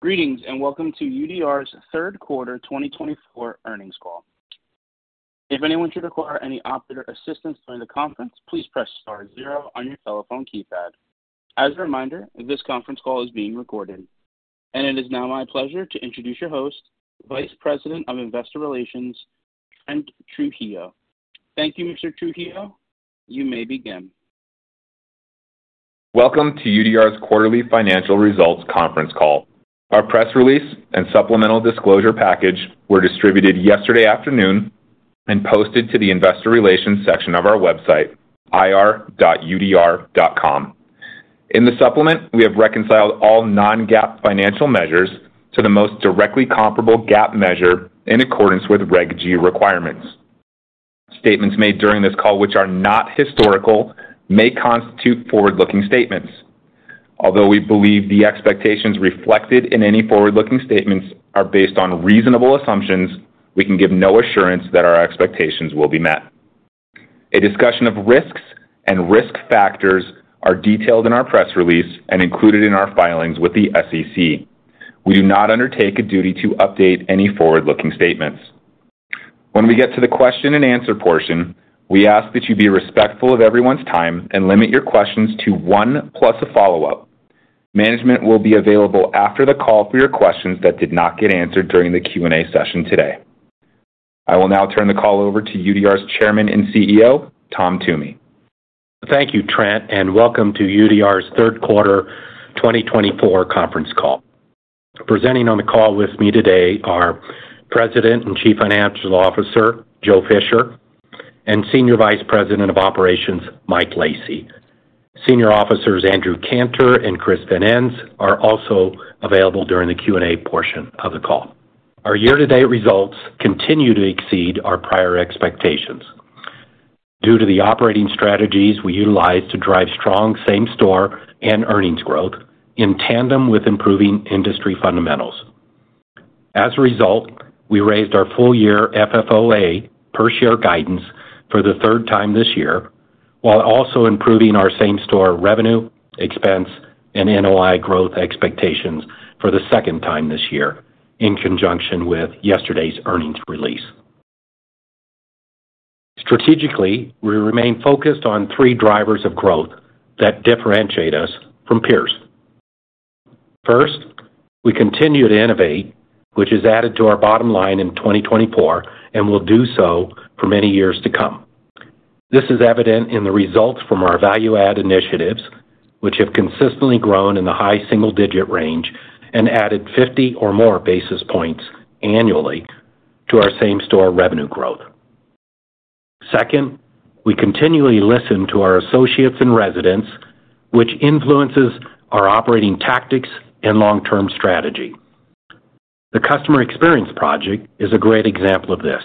Greetings and welcome to UDR's third quarter 2024 earnings call. If anyone should require any operator assistance during the conference, please press star zero on your telephone keypad. As a reminder, this conference call is being recorded, and it is now my pleasure to introduce your host, Vice President of Investor Relations, Trent Trujillo. Thank you, Mr. Trujillo. You may begin. Welcome to UDR's quarterly financial results conference call. Our press release and supplemental disclosure package were distributed yesterday afternoon and posted to the Investor Relations section of our website, ir.udr.com. In the supplement, we have reconciled all non-GAAP financial measures to the most directly comparable GAAP measure in accordance with Reg. G requirements. Statements made during this call, which are not historical, may constitute forward-looking statements. Although we believe the expectations reflected in any forward-looking statements are based on reasonable assumptions, we can give no assurance that our expectations will be met. A discussion of risks and risk factors is detailed in our press release and included in our filings with the SEC. We do not undertake a duty to update any forward-looking statements. When we get to the question-and-answer portion, we ask that you be respectful of everyone's time and limit your questions to one plus a follow-up. Management will be available after the call for your questions that did not get answered during the Q&A session today. I will now turn the call over to UDR's Chairman and CEO, Tom Toomey. Thank you, Trent, and welcome to UDR's third quarter 2024 conference call. Presenting on the call with me today are President and Chief Financial Officer, Joe Fisher, and Senior Vice President of Operations, Mike Lacy. Senior Officers, Andrew Cantor and Chris Van Ens, are also available during the Q&A portion of the call. Our year-to-date results continue to exceed our prior expectations due to the operating strategies we utilize to drive strong same-store and earnings growth in tandem with improving industry fundamentals. As a result, we raised our full-year FFOA per-share guidance for the third time this year, while also improving our same-store revenue, expense, and NOI growth expectations for the second time this year in conjunction with yesterday's earnings release. Strategically, we remain focused on three drivers of growth that differentiate us from peers. First, we continue to innovate, which is added to our bottom line in 2024 and will do so for many years to come. This is evident in the results from our value-add initiatives, which have consistently grown in the high single-digit range and added 50 or more basis points annually to our same-store revenue growth. Second, we continually listen to our associates and residents, which influences our operating tactics and long-term strategy. The Customer Experience Project is a great example of this.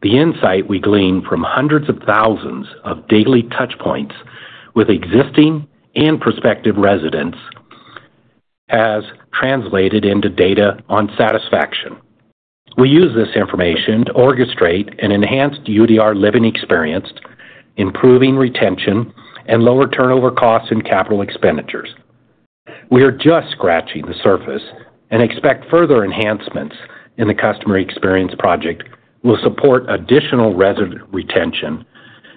The insight we glean from hundreds of thousands of daily touchpoints with existing and prospective residents has translated into data on satisfaction. We use this information to orchestrate an enhanced UDR living experience, improving retention and lower turnover costs and capital expenditures. We are just scratching the surface and expect further enhancements in the Customer Experience Project will support additional resident retention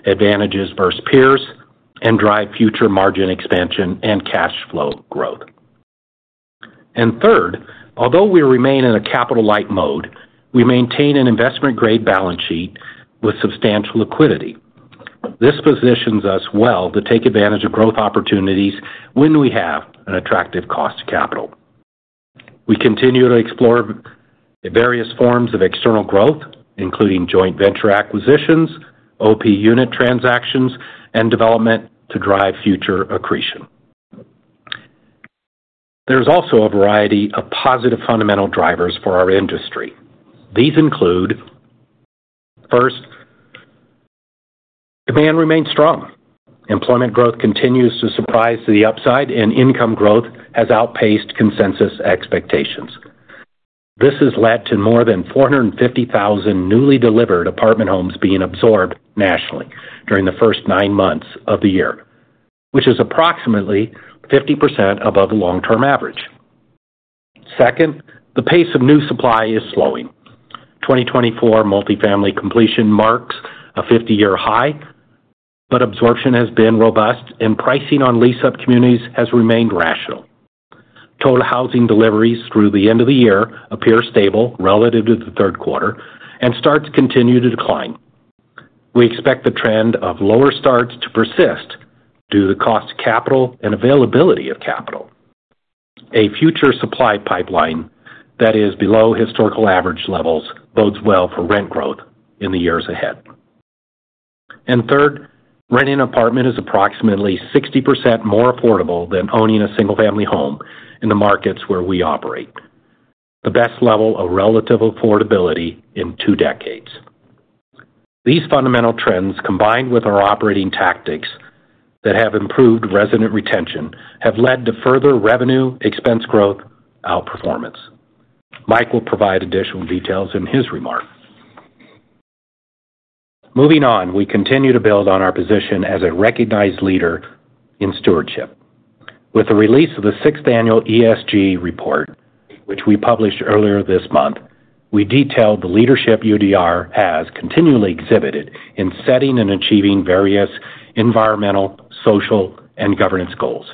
advantages versus peers and drive future margin expansion and cash flow growth. And third, although we remain in a capital-light mode, we maintain an investment-grade balance sheet with substantial liquidity. This positions us well to take advantage of growth opportunities when we have an attractive cost of capital. We continue to explore various forms of external growth, including joint venture acquisitions, OP unit transactions, and development to drive future accretion. There is also a variety of positive fundamental drivers for our industry. These include, first, demand remains strong. Employment growth continues to surprise to the upside, and income growth has outpaced consensus expectations. This has led to more than 450,000 newly delivered apartment homes being absorbed nationally during the first nine months of the year, which is approximately 50% above the long-term average. Second, the pace of new supply is slowing. 2024 multifamily completion marks a 50-year high, but absorption has been robust, and pricing on lease-up communities has remained rational. Total housing deliveries through the end of the year appear stable relative to the third quarter and start to continue to decline. We expect the trend of lower starts to persist due to the cost of capital and availability of capital. A future supply pipeline that is below historical average levels bodes well for rent growth in the years ahead. And third, renting an apartment is approximately 60% more affordable than owning a single-family home in the markets where we operate. The best level of relative affordability in two decades. These fundamental trends, combined with our operating tactics that have improved resident retention, have led to further revenue, expense growth, outperformance. Mike will provide additional details in his remark. Moving on, we continue to build on our position as a recognized leader in stewardship. With the release of the sixth annual ESG report, which we published earlier this month, we detailed the leadership UDR has continually exhibited in setting and achieving various environmental, social, and governance goals.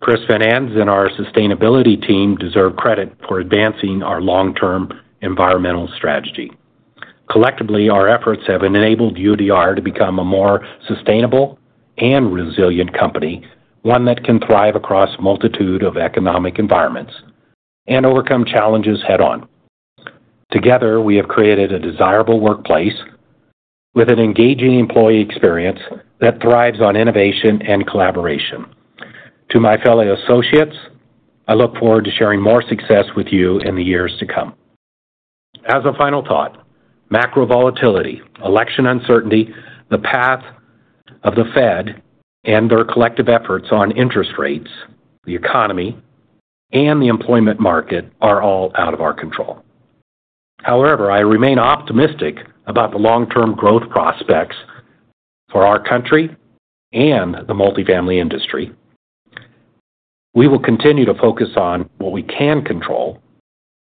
Chris Van Ens and our sustainability team deserve credit for advancing our long-term environmental strategy. Collectively, our efforts have enabled UDR to become a more sustainable and resilient company, one that can thrive across a multitude of economic environments and overcome challenges head-on. Together, we have created a desirable workplace with an engaging employee experience that thrives on innovation and collaboration. To my fellow associates, I look forward to sharing more success with you in the years to come. As a final thought, macro volatility, election uncertainty, the path of the Fed and their collective efforts on interest rates, the economy, and the employment market are all out of our control. However, I remain optimistic about the long-term growth prospects for our country and the multifamily industry. We will continue to focus on what we can control,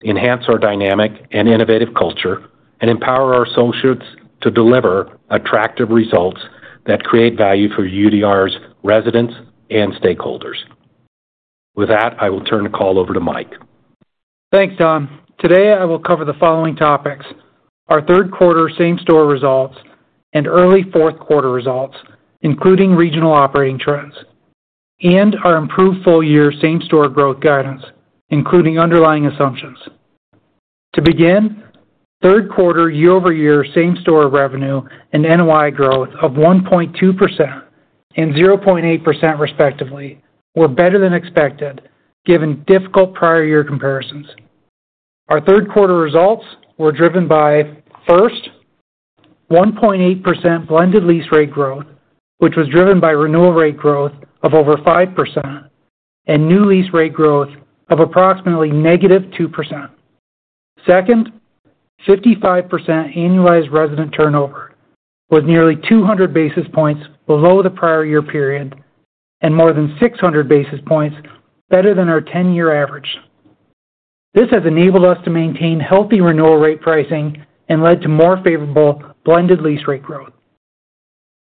enhance our dynamic and innovative culture, and empower our associates to deliver attractive results that create value for UDR's residents and stakeholders. With that, I will turn the call over to Mike. Thanks, Tom. Today, I will cover the following topics: our third-quarter same-store results and early fourth-quarter results, including regional operating trends, and our improved full-year same-store growth guidance, including underlying assumptions. To begin, third-quarter year-over-year same-store revenue and NOI growth of 1.2% and 0.8% respectively were better than expected given difficult prior-year comparisons. Our third-quarter results were driven by, first, 1.8% blended lease rate growth, which was driven by renewal rate growth of over 5% and new lease rate growth of approximately negative 2%. Second, 55% annualized resident turnover was nearly 200 basis points below the prior-year period and more than 600 basis points better than our 10-year average. This has enabled us to maintain healthy renewal rate pricing and led to more favorable blended lease rate growth.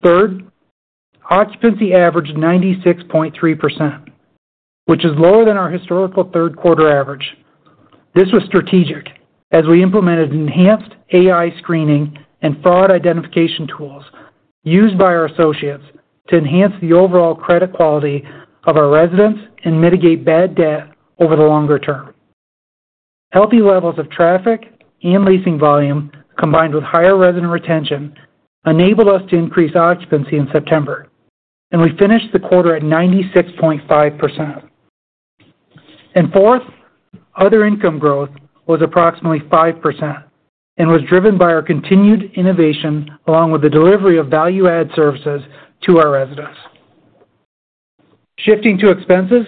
Third, occupancy averaged 96.3%, which is lower than our historical third-quarter average. This was strategic as we implemented enhanced AI screening and fraud identification tools used by our associates to enhance the overall credit quality of our residents and mitigate bad debt over the longer term. Healthy levels of traffic and leasing volume, combined with higher resident retention, enabled us to increase occupancy in September, and we finished the quarter at 96.5%, and fourth, other income growth was approximately 5% and was driven by our continued innovation along with the delivery of value-add services to our residents. Shifting to expenses,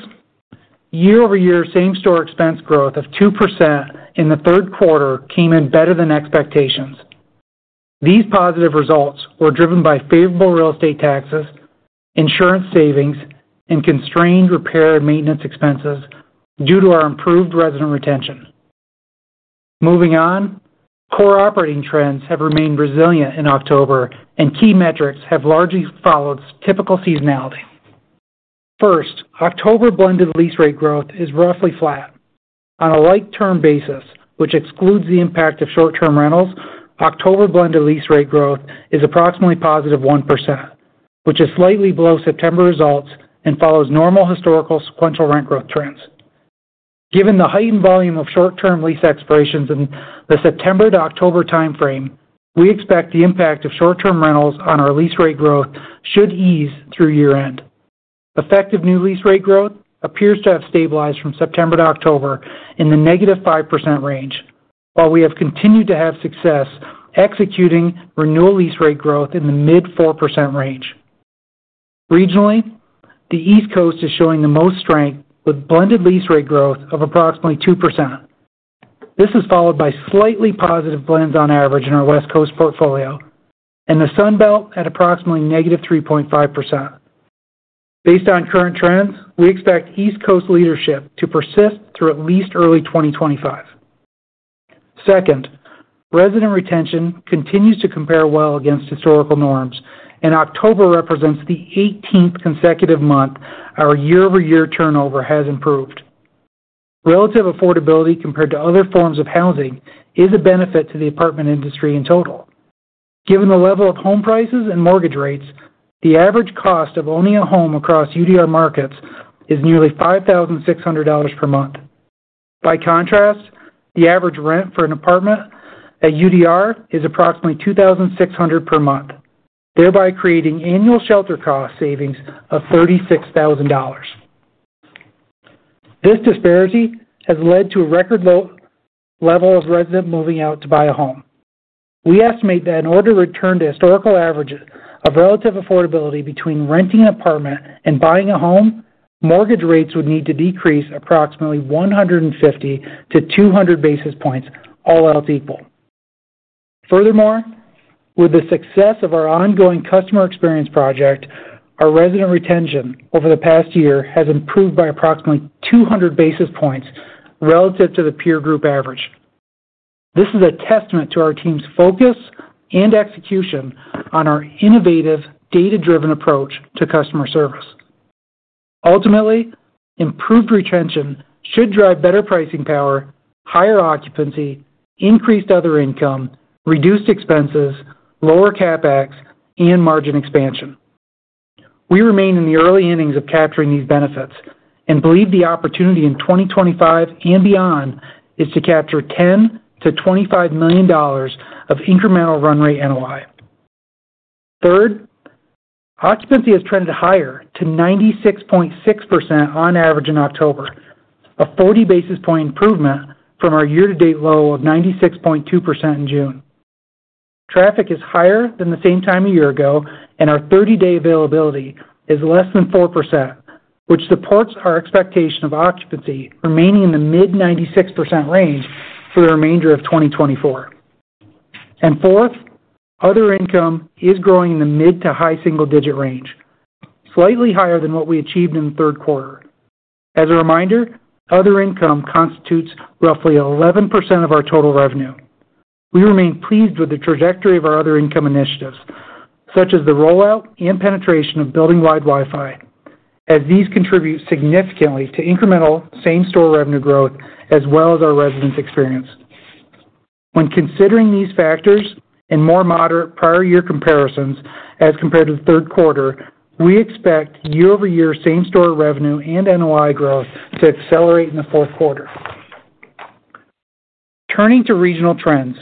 year-over-year same-store expense growth of 2% in the third quarter came in better than expectations. These positive results were driven by favorable real estate taxes, insurance savings, and constrained repair and maintenance expenses due to our improved resident retention. Moving on, core operating trends have remained resilient in October, and key metrics have largely followed typical seasonality. First, October blended lease rate growth is roughly flat. On a like-term basis, which excludes the impact of short-term rentals, October blended lease rate growth is approximately +1%, which is slightly below September results and follows normal historical sequential rent growth trends. Given the heightened volume of short-term lease expirations in the September to October timeframe, we expect the impact of short-term rentals on our lease rate growth should ease through year-end. Effective new lease rate growth appears to have stabilized from September to October in the -5% range, while we have continued to have success executing renewal lease rate growth in the mid-4% range. Regionally, the East Coast is showing the most strength with blended lease rate growth of approximately 2%. This is followed by slightly positive blends on average in our West Coast portfolio and the Sunbelt at approximately -3.5%. Based on current trends, we expect East Coast leadership to persist through at least early 2025. Second, resident retention continues to compare well against historical norms, and October represents the 18th consecutive month our year-over-year turnover has improved. Relative affordability compared to other forms of housing is a benefit to the apartment industry in total. Given the level of home prices and mortgage rates, the average cost of owning a home across UDR markets is nearly $5,600 per month. By contrast, the average rent for an apartment at UDR is approximately $2,600 per month, thereby creating annual shelter cost savings of $36,000. This disparity has led to a record low level of resident moving out to buy a home. We estimate that in order to return to historical averages of relative affordability between renting an apartment and buying a home, mortgage rates would need to decrease approximately 150-200 basis points all else equal. Furthermore, with the success of our ongoing Customer Experience Project, our resident retention over the past year has improved by approximately 200 basis points relative to the peer group average. This is a testament to our team's focus and execution on our innovative data-driven approach to customer service. Ultimately, improved retention should drive better pricing power, higher occupancy, increased other income, reduced expenses, lower CapEx, and margin expansion. We remain in the early innings of capturing these benefits and believe the opportunity in 2025 and beyond is to capture $10-$25 million of incremental run rate NOI. Third, occupancy has trended higher to 96.6% on average in October, a 40 basis points improvement from our year-to-date low of 96.2% in June. Traffic is higher than the same time a year ago, and our 30-day availability is less than 4%, which supports our expectation of occupancy remaining in the mid-96% range for the remainder of 2024. And fourth, other income is growing in the mid- to high-single-digit range, slightly higher than what we achieved in the third quarter. As a reminder, other income constitutes roughly 11% of our total revenue. We remain pleased with the trajectory of our other income initiatives, such as the rollout and penetration of building-wide Wi-Fi, as these contribute significantly to incremental same-store revenue growth as well as our residents' experience. When considering these factors and more moderate prior-year comparisons as compared to the third quarter, we expect year-over-year same-store revenue and NOI growth to accelerate in the fourth quarter. Turning to regional trends,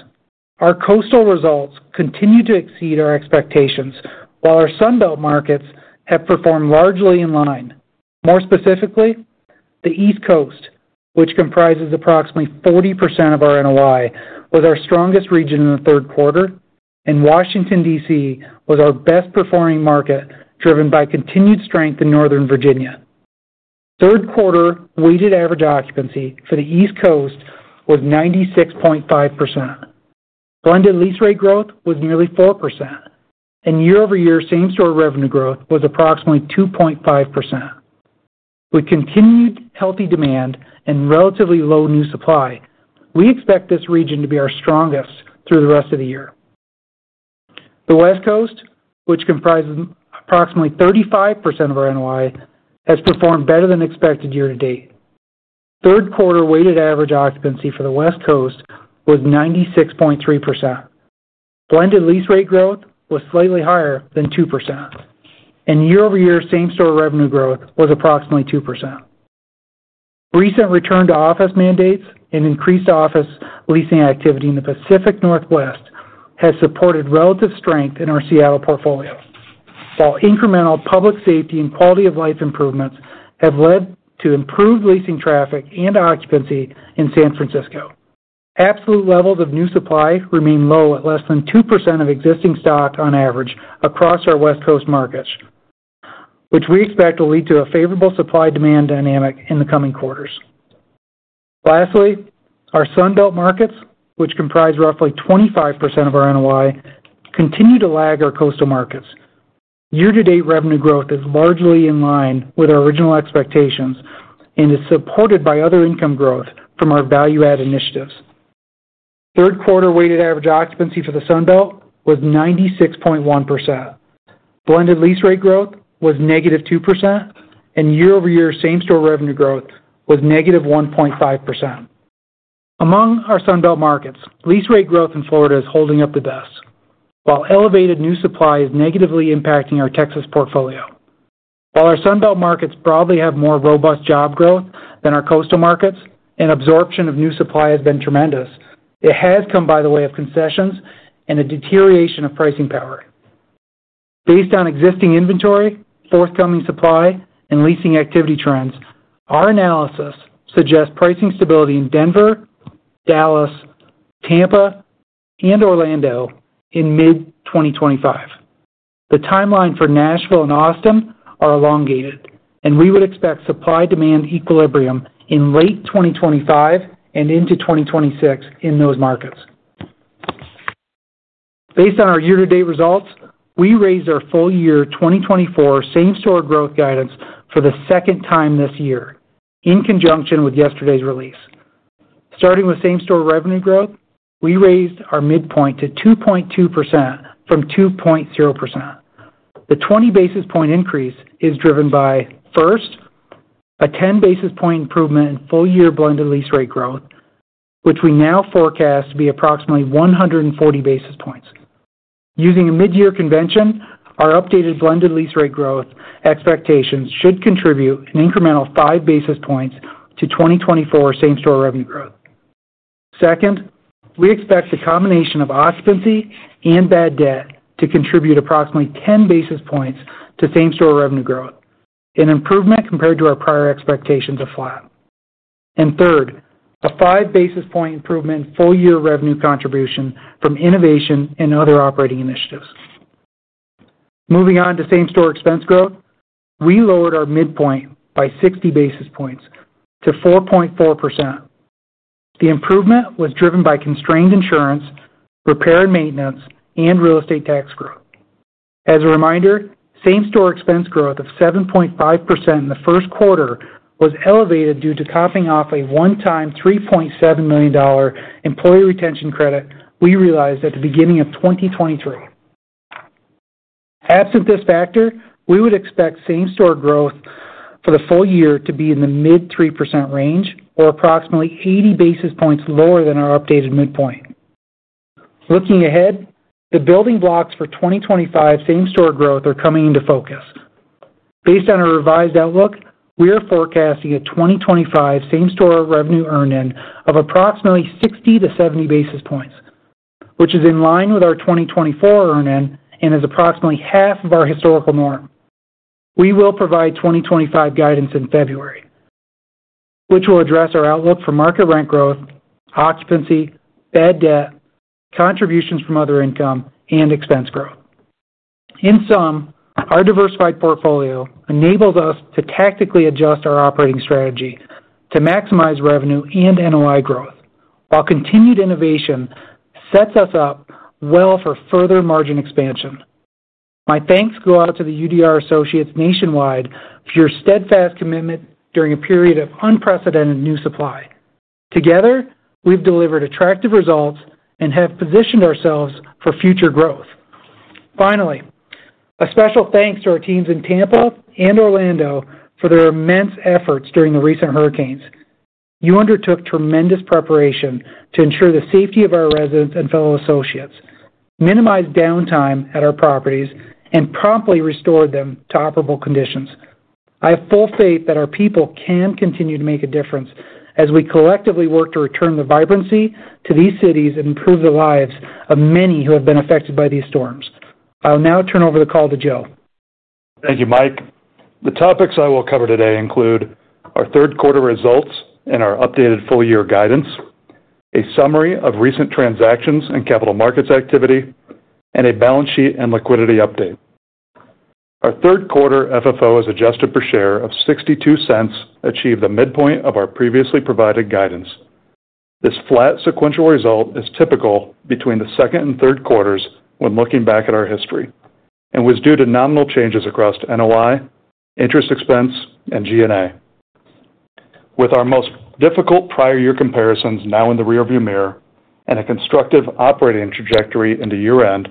our coastal results continue to exceed our expectations, while our Sunbelt markets have performed largely in line. More specifically, the East Coast, which comprises approximately 40% of our NOI, was our strongest region in the third quarter, and Washington, D.C., was our best-performing market driven by continued strength in Northern Virginia. Third-quarter weighted average occupancy for the East Coast was 96.5%. Blended lease rate growth was nearly 4%, and year-over-year same-store revenue growth was approximately 2.5%. With continued healthy demand and relatively low new supply, we expect this region to be our strongest through the rest of the year. The West Coast, which comprises approximately 35% of our NOI, has performed better than expected year-to-date. Third-quarter weighted average occupancy for the West Coast was 96.3%. Blended lease rate growth was slightly higher than 2%, and year-over-year same-store revenue growth was approximately 2%. Recent return to office mandates and increased office leasing activity in the Pacific Northwest have supported relative strength in our Seattle portfolio, while incremental public safety and quality of life improvements have led to improved leasing traffic and occupancy in San Francisco. Absolute levels of new supply remain low at less than 2% of existing stock on average across our West Coast markets, which we expect will lead to a favorable supply-demand dynamic in the coming quarters. Lastly, our Sunbelt markets, which comprise roughly 25% of our NOI, continue to lag our coastal markets. Year-to-date revenue growth is largely in line with our original expectations and is supported by other income growth from our value-add initiatives. Third-quarter weighted average occupancy for the Sunbelt was 96.1%. Blended lease rate growth was negative 2%, and year-over-year same-store revenue growth was negative 1.5%. Among our Sunbelt markets, lease rate growth in Florida is holding up the best, while elevated new supply is negatively impacting our Texas portfolio. While our Sunbelt markets probably have more robust job growth than our coastal markets and absorption of new supply has been tremendous, it has come by the way of concessions and a deterioration of pricing power. Based on existing inventory, forthcoming supply, and leasing activity trends, our analysis suggests pricing stability in Denver, Dallas, Tampa, and Orlando in mid-2025. The timeline for Nashville and Austin is elongated, and we would expect supply-demand equilibrium in late 2025 and into 2026 in those markets. Based on our year-to-date results, we raised our full-year 2024 Same-Store growth guidance for the second time this year in conjunction with yesterday's release. Starting with Same-Store revenue growth, we raised our midpoint to 2.2% from 2.0%. The 20 basis point increase is driven by, first, a 10 basis point improvement in full-year Blended Lease Rate growth, which we now forecast to be approximately 140 basis points. Using a mid-year convention, our updated Blended Lease Rate growth expectations should contribute an incremental 5 basis points to 2024 Same-Store revenue growth. Second, we expect the combination of occupancy and Bad Debt to contribute approximately 10 basis points to Same-Store revenue growth. An improvement compared to our prior expectations is flat. And third, a 5 basis point improvement in full-year revenue contribution from innovation and other operating initiatives. Moving on to same-store expense growth, we lowered our midpoint by 60 basis points to 4.4%. The improvement was driven by constrained insurance, repair and maintenance, and real estate tax growth. As a reminder, same-store expense growth of 7.5% in the first quarter was elevated due to comping off a one-time $3.7 million employee retention credit we realized at the beginning of 2023. Absent this factor, we would expect same-store growth for the full year to be in the mid 3% range or approximately 80 basis points lower than our updated midpoint. Looking ahead, the building blocks for 2025 same-store growth are coming into focus. Based on our revised outlook, we are forecasting a 2025 same-store revenue growth of approximately 60-70 basis points, which is in line with our 2024 growth and is approximately half of our historical norm. We will provide 2025 guidance in February, which will address our outlook for market rent growth, occupancy, bad debt, contributions from other income, and expense growth. In sum, our diversified portfolio enables us to tactically adjust our operating strategy to maximize revenue and NOI growth, while continued innovation sets us up well for further margin expansion. My thanks go out to the UDR Associates nationwide for your steadfast commitment during a period of unprecedented new supply. Together, we've delivered attractive results and have positioned ourselves for future growth. Finally, a special thanks to our teams in Tampa and Orlando for their immense efforts during the recent hurricanes. You undertook tremendous preparation to ensure the safety of our residents and fellow associates, minimize downtime at our properties, and promptly restored them to operable conditions. I have full faith that our people can continue to make a difference as we collectively work to return the vibrancy to these cities and improve the lives of many who have been affected by these storms. I'll now turn over the call to Joe. Thank you, Mike. The topics I will cover today include our third-quarter results and our updated full-year guidance, a summary of recent transactions and capital markets activity, and a balance sheet and liquidity update. Our third-quarter FFO as adjusted per share of $0.62 achieved the midpoint of our previously provided guidance. This flat sequential result is typical between the second and third quarters when looking back at our history and was due to nominal changes across NOI, interest expense, and G&A. With our most difficult prior-year comparisons now in the rearview mirror and a constructive operating trajectory into year-end,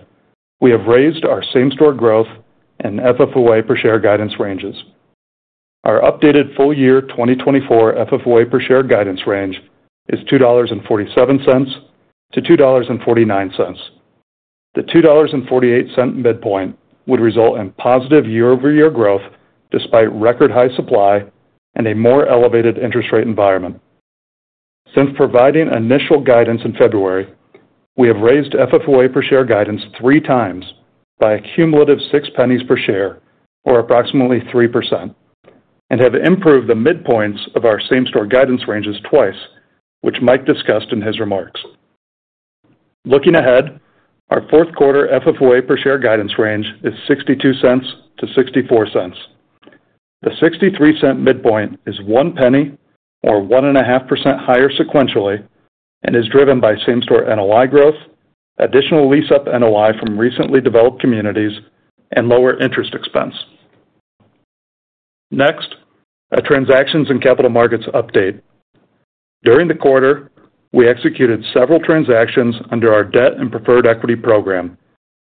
we have raised our same-store growth and FFOA per share guidance ranges. Our updated full-year 2024 FFOA per share guidance range is $2.47-$2.49. The $2.48 midpoint would result in positive year-over-year growth despite record-high supply and a more elevated interest rate environment. Since providing initial guidance in February, we have raised FFOA per share guidance three times by a cumulative $0.06 per share, or approximately 3%, and have improved the midpoints of our same-store guidance ranges twice, which Mike discussed in his remarks. Looking ahead, our fourth-quarter FFOA per share guidance range is $0.62-$0.64. The $0.63 midpoint is $0.01, or 1.5% higher sequentially, and is driven by same-store NOI growth, additional lease-up NOI from recently developed communities, and lower interest expense. Next, a transactions and capital markets update. During the quarter, we executed several transactions under our debt and preferred equity program,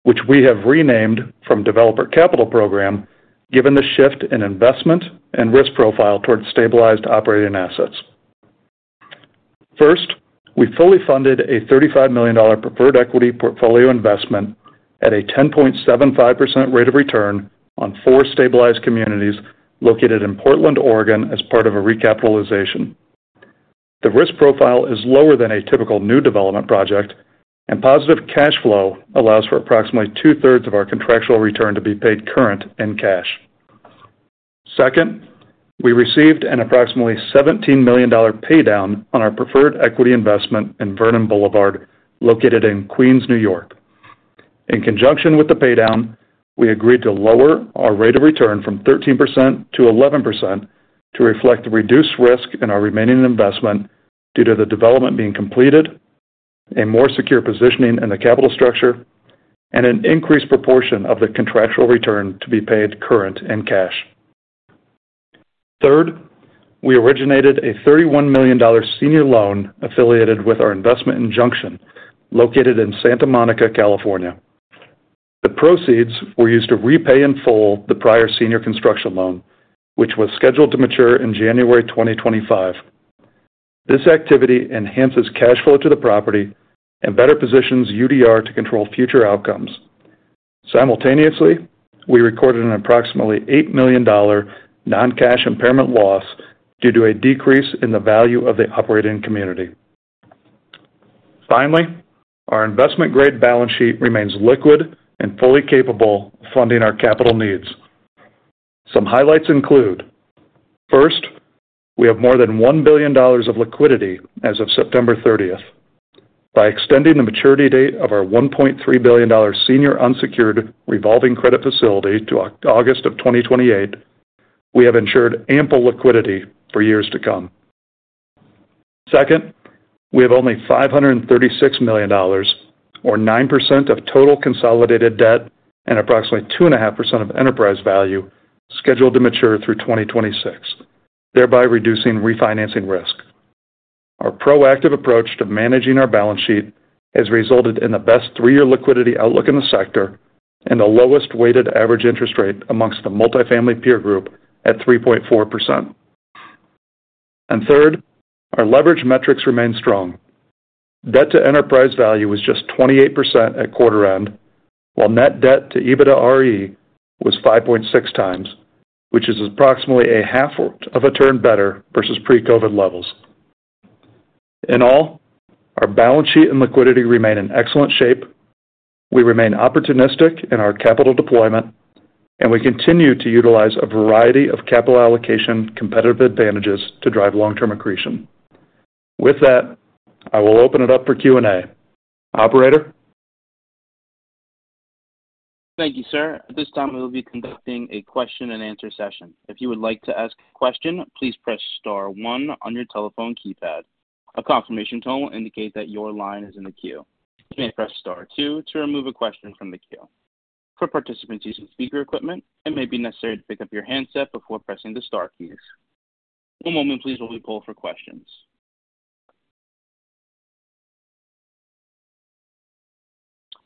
which we have renamed from developer Capital Program given the shift in investment and risk profile towards stabilized operating assets. First, we fully funded a $35 million preferred equity portfolio investment at a 10.75% rate of return on four stabilized communities located in Portland, Oregon, as part of a recapitalization. The risk profile is lower than a typical new development project, and positive cash flow allows for approximately two-thirds of our contractual return to be paid current and cash. Second, we received an approximately $17 million paydown on our preferred equity investment in Vernon Boulevard, located in Queens, New York. In conjunction with the paydown, we agreed to lower our rate of return from 13% to 11% to reflect the reduced risk in our remaining investment due to the development being completed, a more secure positioning in the capital structure, and an increased proportion of the contractual return to be paid current and cash. Third, we originated a $31 million senior loan affiliated with our investment in Junction, located in Santa Monica, California. The proceeds were used to repay in full the prior senior construction loan, which was scheduled to mature in January 2025. This activity enhances cash flow to the property and better positions UDR to control future outcomes. Simultaneously, we recorded an approximately $8 million non-cash impairment loss due to a decrease in the value of the operating community. Finally, our investment-grade balance sheet remains liquid and fully capable of funding our capital needs. Some highlights include: first, we have more than $1 billion of liquidity as of September 30th. By extending the maturity date of our $1.3 billion senior unsecured revolving credit facility to August of 2028, we have ensured ample liquidity for years to come. Second, we have only $536 million, or 9% of total consolidated debt and approximately 2.5% of enterprise value, scheduled to mature through 2026, thereby reducing refinancing risk. Our proactive approach to managing our balance sheet has resulted in the best three-year liquidity outlook in the sector and the lowest weighted average interest rate amongst the multifamily peer group at 3.4%. And third, our leverage metrics remain strong. Debt to enterprise value was just 28% at quarter end, while net debt to EBITDAre was 5.6 times, which is approximately a half of a turn better versus pre-COVID levels. In all, our balance sheet and liquidity remain in excellent shape. We remain opportunistic in our capital deployment, and we continue to utilize a variety of capital allocation competitive advantages to drive long-term accretion. With that, I will open it up for Q&A. Operator? Thank you, sir. At this time, we will be conducting a question-and-answer session. If you would like to ask a question, please press Star one on your telephone keypad. A confirmation tone will indicate that your line is in the queue. You may press Star two to remove a question from the queue. For participants using speaker equipment, it may be necessary to pick up your handset before pressing the Star keys. One moment, please, while we poll for questions.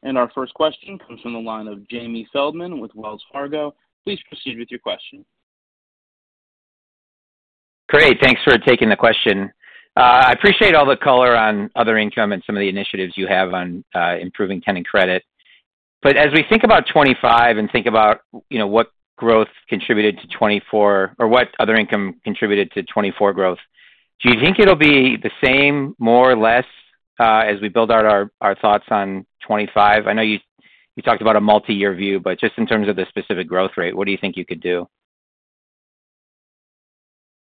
And our first question comes from the line of Jamie Feldman with Wells Fargo. Please proceed with your question. Great. Thanks for taking the question. I appreciate all the color on other income and some of the initiatives you have on improving tenant credit. But as we think about 2025 and think about what growth contributed to 2024 or what other income contributed to 2024 growth, do you think it'll be the same, more or less, as we build out our thoughts on 2025? I know you talked about a multi-year view, but just in terms of the specific growth rate, what do you think you could do?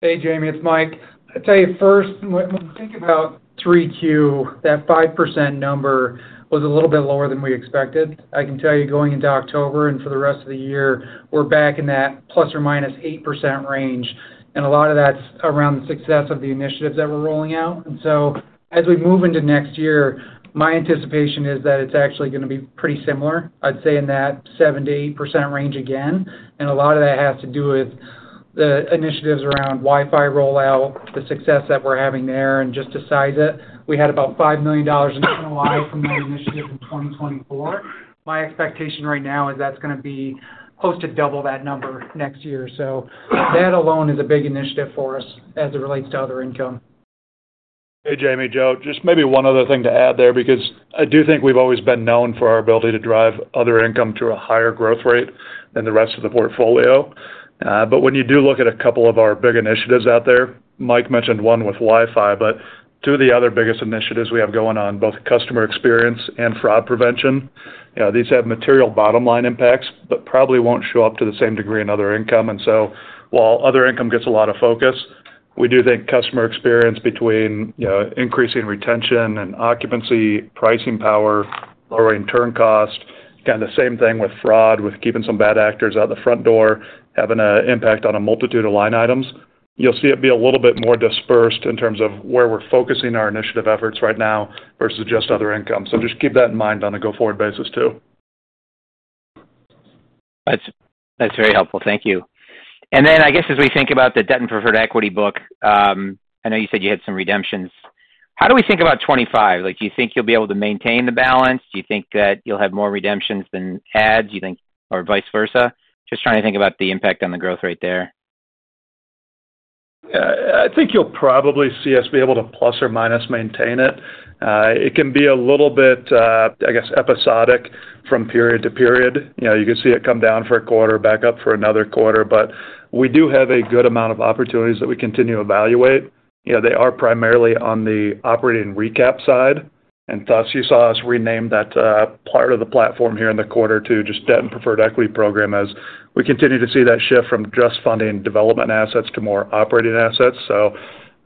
Hey, Jamie, it's Mike. I'll tell you first, when we think about 3Q, that 5% number was a little bit lower than we expected. I can tell you going into October and for the rest of the year, we're back in that plus or minus 8% range. And a lot of that's around the success of the initiatives that we're rolling out. And so as we move into next year, my anticipation is that it's actually going to be pretty similar. I'd say in that 7%-8% range again. And a lot of that has to do with the initiatives around Wi-Fi rollout, the success that we're having there, and just to size it. We had about $5 million in NOI from that initiative in 2024. My expectation right now is that's going to be close to double that number next year. So that alone is a big initiative for us as it relates to other income. Hey, Jamie, Joe, just maybe one other thing to add there because I do think we've always been known for our ability to drive other income to a higher growth rate than the rest of the portfolio. But when you do look at a couple of our big initiatives out there, Mike mentioned one with Wi-Fi, but two of the other biggest initiatives we have going on, both customer experience and fraud prevention, these have material bottom-line impacts but probably won't show up to the same degree in other income. And so while other income gets a lot of focus, we do think customer experience between increasing retention and occupancy, pricing power, lowering turn cost, kind of the same thing with fraud, with keeping some bad actors out the front door, having an impact on a multitude of line items, you'll see it be a little bit more dispersed in terms of where we're focusing our initiative efforts right now versus just other income. So just keep that in mind on a go-forward basis too. That's very helpful. Thank you. And then I guess as we think about the debt and preferred equity book, I know you said you had some redemptions. How do we think about 2025? Do you think you'll be able to maintain the balance? Do you think that you'll have more redemptions than adds or vice versa? Just trying to think about the impact on the growth rate there. Yeah. I think you'll probably see us be able to plus or minus maintain it. It can be a little bit, I guess, episodic from period to period. You can see it come down for a quarter, back up for another quarter. But we do have a good amount of opportunities that we continue to evaluate. They are primarily on the operating recap side. And thus, you saw us rename that part of the platform here in the quarter to just Debt and Preferred Equity Program as we continue to see that shift from just funding development assets to more operating assets. So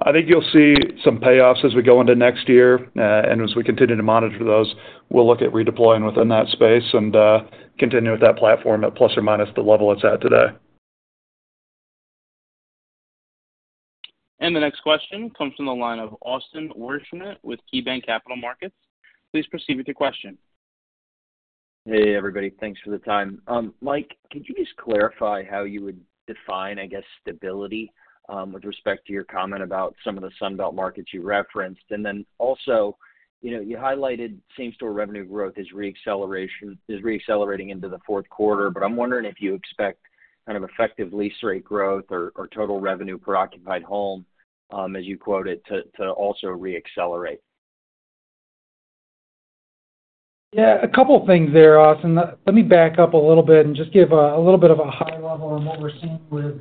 I think you'll see some payoffs as we go into next year. And as we continue to monitor those, we'll look at redeploying within that space and continue with that platform at plus or minus the level it's at today. And the next question comes from the line of Austin Wurschmidt with KeyBanc Capital Markets. Please proceed with your question. Hey, everybody. Thanks for the time. Mike, could you just clarify how you would define, I guess, stability with respect to your comment about some of the Sunbelt markets you referenced? And then also, you highlighted same-store revenue growth is reaccelerating into the fourth quarter. But I'm wondering if you expect kind of effective lease rate growth or total revenue per occupied home, as you quote it, to also reaccelerate. Yeah. A couple of things there, Austin. Let me back up a little bit and just give a little bit of a high level on what we're seeing with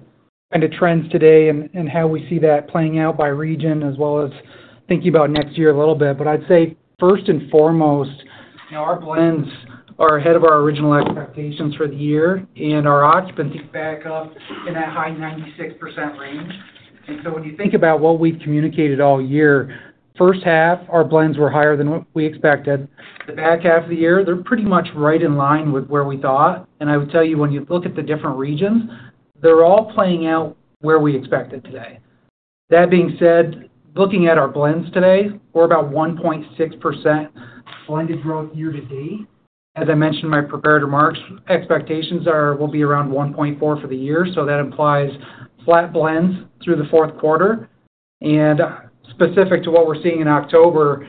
kind of trends today and how we see that playing out by region, as well as thinking about next year a little bit. But I'd say first and foremost, our blends are ahead of our original expectations for the year, and our occupancy is back up in that high 96% range. And so when you think about what we've communicated all year, first half, our blends were higher than what we expected. The back half of the year, they're pretty much right in line with where we thought. I would tell you, when you look at the different regions, they're all playing out where we expected today. That being said, looking at our blends today, we're about 1.6% blended growth year to date. As I mentioned in my prepared remarks, expectations will be around 1.4% for the year. So that implies flat blends through the fourth quarter. And specific to what we're seeing in October,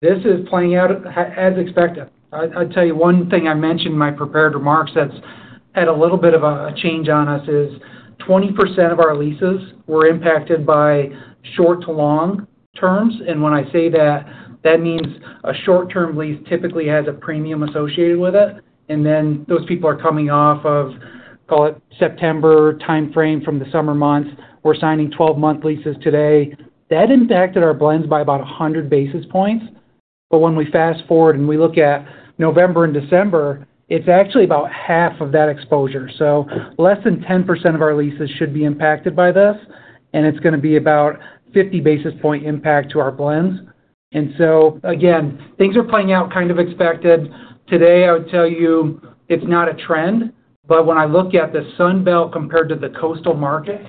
this is playing out as expected. I'd tell you one thing I mentioned in my prepared remarks that's had a little bit of a change on us is 20% of our leases were impacted by short to long terms. And when I say that, that means a short-term lease typically has a premium associated with it. And then those people are coming off of, call it, September timeframe from the summer months. We're signing 12-month leases today. That impacted our blends by about 100 basis points. But when we fast forward and we look at November and December, it's actually about half of that exposure. So less than 10% of our leases should be impacted by this, and it's going to be about 50 basis point impact to our blends. And so, again, things are playing out kind of expected. Today, I would tell you it's not a trend. But when I look at the Sunbelt compared to the coastal market,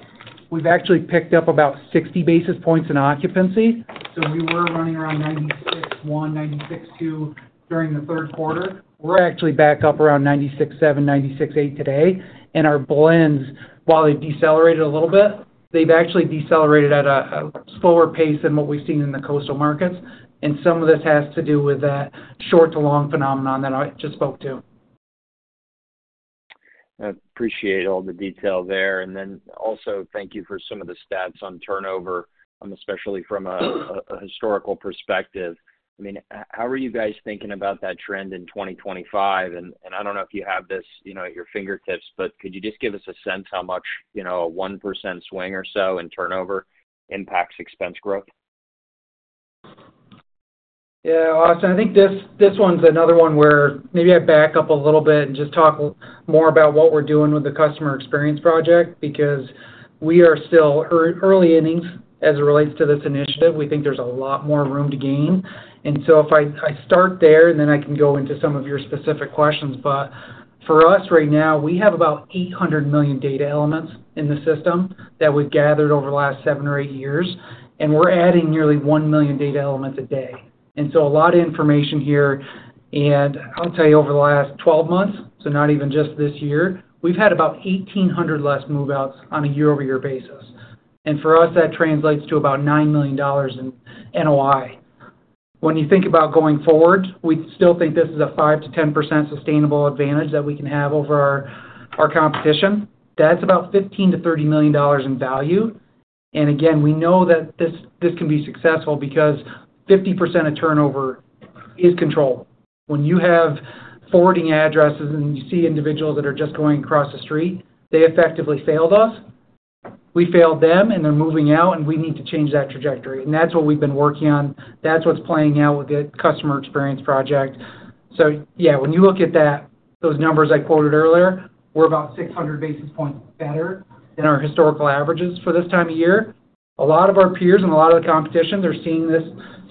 we've actually picked up about 60 basis points in occupancy. So we were running around 96.1, 96.2 during the third quarter. We're actually back up around 96.7, 96.8 today. And our blends, while they've decelerated a little bit, they've actually decelerated at a slower pace than what we've seen in the coastal markets. And some of this has to do with that short to long phenomenon that I just spoke to. I appreciate all the detail there. And then also, thank you for some of the stats on turnover, especially from a historical perspective. I mean, how are you guys thinking about that trend in 2025? And I don't know if you have this at your fingertips, but could you just give us a sense how much a 1% swing or so in turnover impacts expense growth? Yeah. Austin, I think this one's another one where maybe I back up a little bit and just talk more about what we're doing with the Customer Experience Project because we are still early innings as it relates to this initiative. We think there's a lot more room to gain. If I start there, and then I can go into some of your specific questions, but for us right now, we have about 800 million data elements in the system that we've gathered over the last seven or eight years, and we're adding nearly 1 million data elements a day, and so a lot of information here, and I'll tell you, over the last 12 months, so not even just this year, we've had about 1,800 less move-outs on a year-over-year basis, and for us, that translates to about $9 million in NOI. When you think about going forward, we still think this is a 5%-10% sustainable advantage that we can have over our competition. That's about $15-$30 million in value, and again, we know that this can be successful because 50% of turnover is controlled. When you have forwarding addresses and you see individuals that are just going across the street, they effectively failed us. We failed them, and they're moving out, and we need to change that trajectory and that's what we've been working on. That's what's playing out with the Customer Experience Project, so yeah, when you look at those numbers I quoted earlier, we're about 600 basis points better than our historical averages for this time of year. A lot of our peers and a lot of the competition, they're seeing this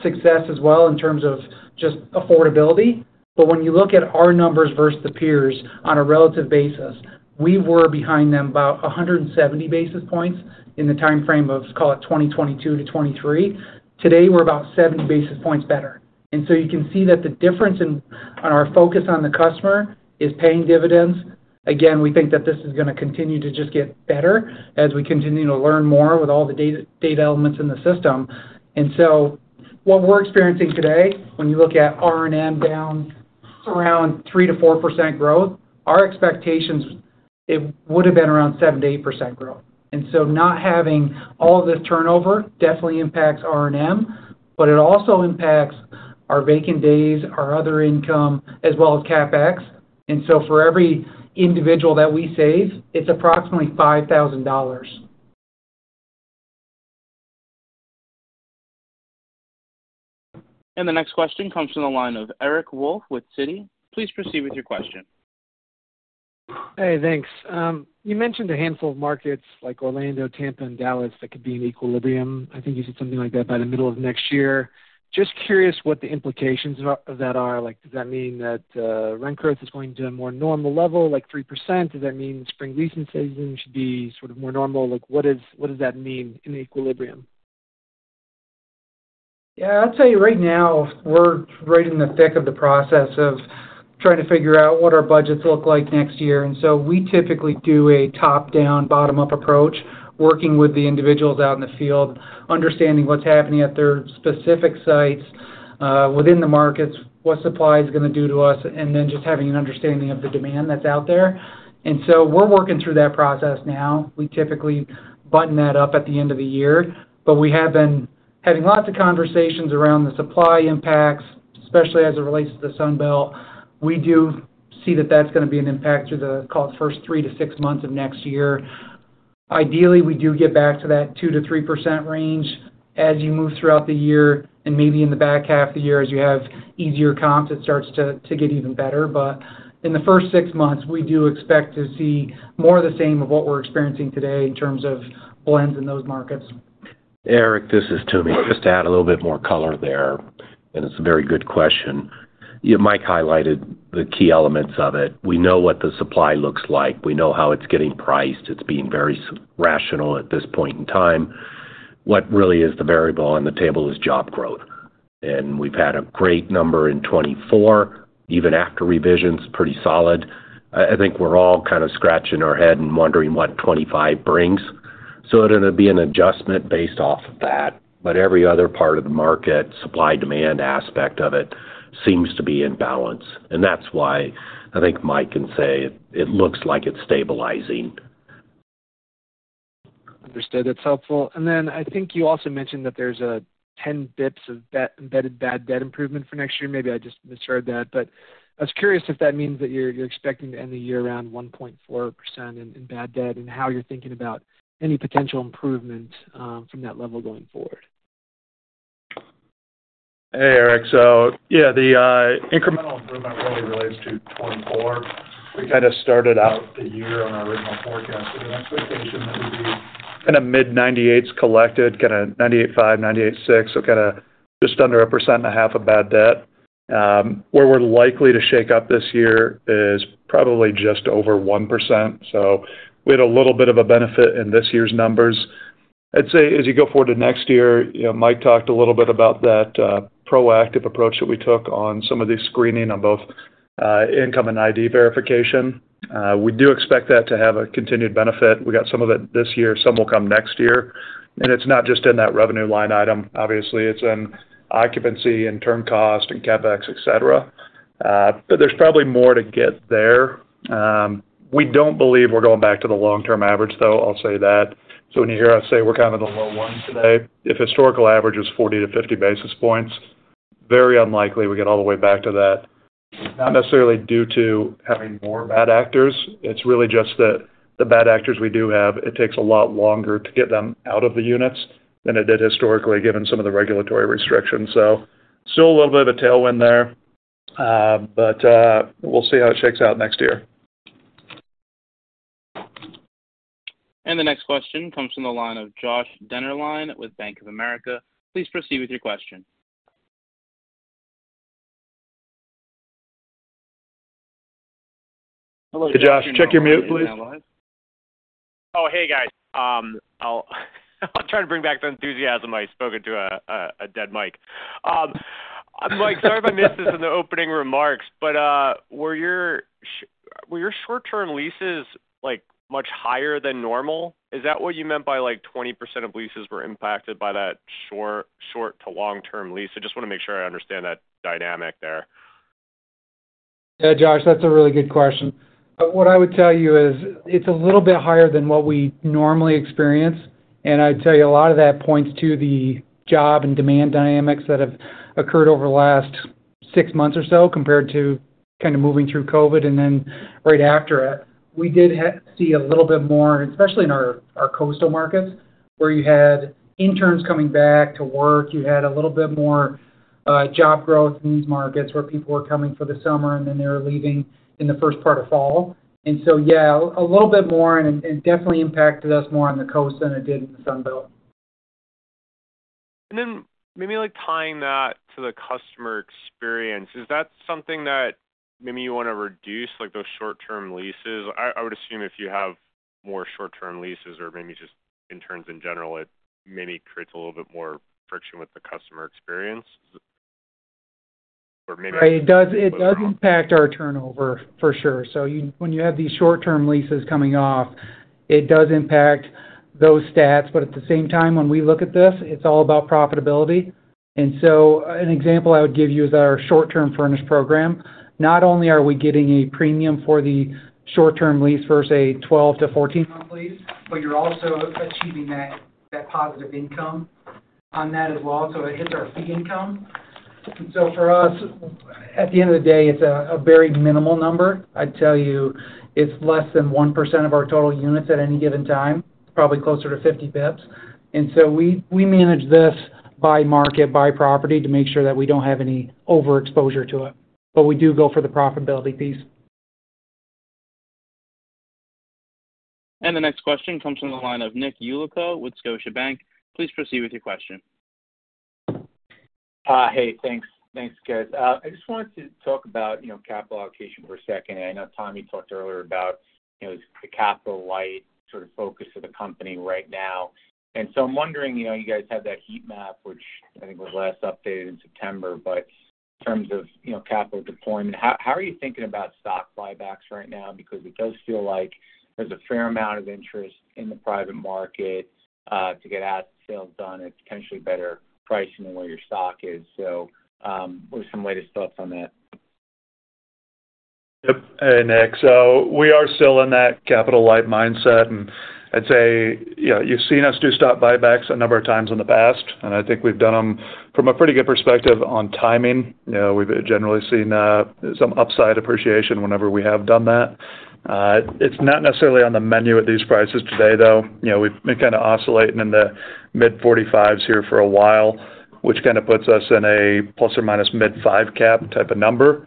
success as well in terms of just affordability, but when you look at our numbers versus the peers on a relative basis, we were behind them about 170 basis points in the timeframe of, call it, 2022-2023. Today, we're about 70 basis points better. And so you can see that the difference in our focus on the customer is paying dividends. Again, we think that this is going to continue to just get better as we continue to learn more with all the data elements in the system. And so what we're experiencing today, when you look at R&M down around 3%-4% growth, our expectations would have been around 7%-8% growth. And so not having all of this turnover definitely impacts R&M, but it also impacts our vacant days, our other income, as well as CapEx. And so for every individual that we save, it's approximately $5,000. And the next question comes from the line of Eric Wolfe with Citi. Please proceed with your question. Hey, thanks. You mentioned a handful of markets like Orlando, Tampa, and Dallas that could be in equilibrium. I think you said something like that by the middle of next year. Just curious what the implications of that are. Does that mean that rent growth is going to a more normal level, like 3%? Does that mean spring leasing season should be sort of more normal? What does that mean in equilibrium? Yeah. I'll tell you right now, we're right in the thick of the process of trying to figure out what our budgets look like next year. And so we typically do a top-down, bottom-up approach, working with the individuals out in the field, understanding what's happening at their specific sites within the markets, what supply is going to do to us, and then just having an understanding of the demand that's out there. And so we're working through that process now. We typically button that up at the end of the year. But we have been having lots of conversations around the supply impacts, especially as it relates to the Sunbelt. We do see that that's going to be an impact through the, call it, first three to six months of next year. Ideally, we do get back to that 2%-3% range as you move throughout the year and maybe in the back half of the year as you have easier comps that starts to get even better. But in the first six months, we do expect to see more of the same of what we're experiencing today in terms of blends in those markets. Eric, this is Toomey. Just to add a little bit more color there, and it's a very good question. Mike highlighted the key elements of it. We know what the supply looks like. We know how it's getting priced. It's being very rational at this point in time. What really is the variable on the table is job growth, and we've had a great number in 2024, even after revisions, pretty solid. I think we're all kind of scratching our head and wondering what 2025 brings, so it'll be an adjustment based off of that. But every other part of the market, supply-demand aspect of it, seems to be in balance, and that's why I think Mike can say it looks like it's stabilizing. Understood. That's helpful, and then I think you also mentioned that there's 10 basis points of embedded bad debt improvement for next year. Maybe I just misheard that, but I was curious if that means that you're expecting to end the year around 1.4% in bad debt and how you're thinking about any potential improvement from that level going forward. Hey, Eric. Yeah, the incremental improvement really relates to 2024. We kind of started out the year on our original forecast with an expectation that would be kind of mid-98% collected, kind of 98.5%, 98.6%, so kind of just under 1.5% of bad debt. Where we're likely to end up this year is probably just over 1%. So we had a little bit of a benefit in this year's numbers. I'd say as you go forward to next year, Mike talked a little bit about that proactive approach that we took on some of the screening on both income and ID verification. We do expect that to have a continued benefit. We got some of it this year. Some will come next year. And it's not just in that revenue line item, obviously. It's in occupancy and turn cost and CapEx, etc. But there's probably more to get there. We don't believe we're going back to the long-term average, though. I'll say that. So when you hear us say we're kind of the low ones today, if historical average is 40-50 basis points, very unlikely we get all the way back to that. Not necessarily due to having more bad actors. It's really just that the bad actors we do have, it takes a lot longer to get them out of the units than it did historically, given some of the regulatory restrictions. So still a little bit of a tailwind there. But we'll see how it shakes out next year. And the next question comes from the line of Josh Dennerlein with Bank of America Securities. Please proceed with your question. Hello. Hey, Josh. Check your mute, please. Oh, hey, guys. I'll try to bring back the enthusiasm I spoke into a dead mic. Mike, sorry if I missed this in the opening remarks, but were your short-term leases much higher than normal? Is that what you meant by 20% of leases were impacted by that short to long-term lease? I just want to make sure I understand that dynamic there. Yeah, Josh, that's a really good question. What I would tell you is it's a little bit higher than what we normally experience. And I'd tell you a lot of that points to the job and demand dynamics that have occurred over the last six months or so compared to kind of moving through COVID and then right after it. We did see a little bit more, especially in our coastal markets, where you had interns coming back to work. You had a little bit more job growth in these markets where people were coming for the summer, and then they were leaving in the first part of fall, and so yeah, a little bit more and definitely impacted us more on the coast than it did in the Sunbelt, and then maybe tying that to the customer experience, is that something that maybe you want to reduce, those short-term leases? I would assume if you have more short-term leases or maybe just interns in general, it maybe creates a little bit more friction with the customer experience. Or maybe. Right. It does impact our turnover for sure, so when you have these short-term leases coming off, it does impact those stats, but at the same time, when we look at this, it's all about profitability, and so an example I would give you is our short-term furnished program. Not only are we getting a premium for the short-term lease versus a 12-14-month lease, but you're also achieving that positive income on that as well. So it hits our fee income. And so for us, at the end of the day, it's a very minimal number. I'd tell you it's less than 1% of our total units at any given time, probably closer to 50 basis points. And so we manage this by market, by property to make sure that we don't have any overexposure to it. But we do go for the profitability piece. And the next question comes from the line of Nick Yulico with Scotiabank. Please proceed with your question. Hey, thanks. Thanks, guys. I just wanted to talk about capital allocation for a second. I know Tommy talked earlier about the capital light sort of focus of the company right now. And so I'm wondering, you guys have that heat map, which I think was last updated in September. But in terms of capital deployment, how are you thinking about stock buybacks right now? Because it does feel like there's a fair amount of interest in the private market to get asset sales done at potentially better pricing than where your stock is. So what are some latest thoughts on that? Yep. Hey, Nick. So we are still in that capital light mindset. And I'd say you've seen us do stock buybacks a number of times in the past. And I think we've done them from a pretty good perspective on timing. We've generally seen some upside appreciation whenever we have done that. It's not necessarily on the menu at these prices today, though. We've been kind of oscillating in the mid-45s here for a while, which kind of puts us in a plus or minus mid-5 cap type of number.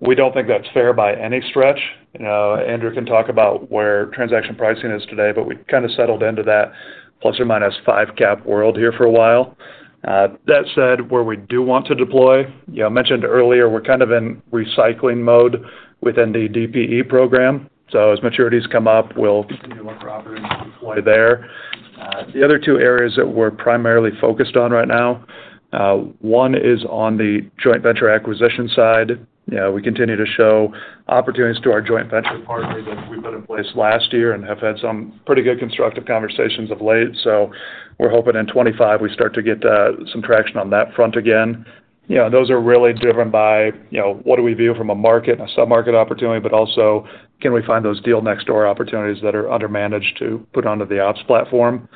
We don't think that's fair by any stretch. Andrew can talk about where transaction pricing is today, but we've kind of settled into that plus or minus 5 cap world here for a while. That said, where we do want to deploy, I mentioned earlier, we're kind of in recycling mode within the DPE program. So as maturities come up, we'll continue to look for opportunities to deploy there. The other two areas that we're primarily focused on right now, one is on the joint venture acquisition side. We continue to show opportunities to our joint venture partners that we put in place last year and have had some pretty good constructive conversations of late. So we're hoping in 2025 we start to get some traction on that front again. Those are really driven by what do we view from a market and a sub-market opportunity, but also can we find those deal-next-door opportunities that are undermanaged to put onto the ops platform.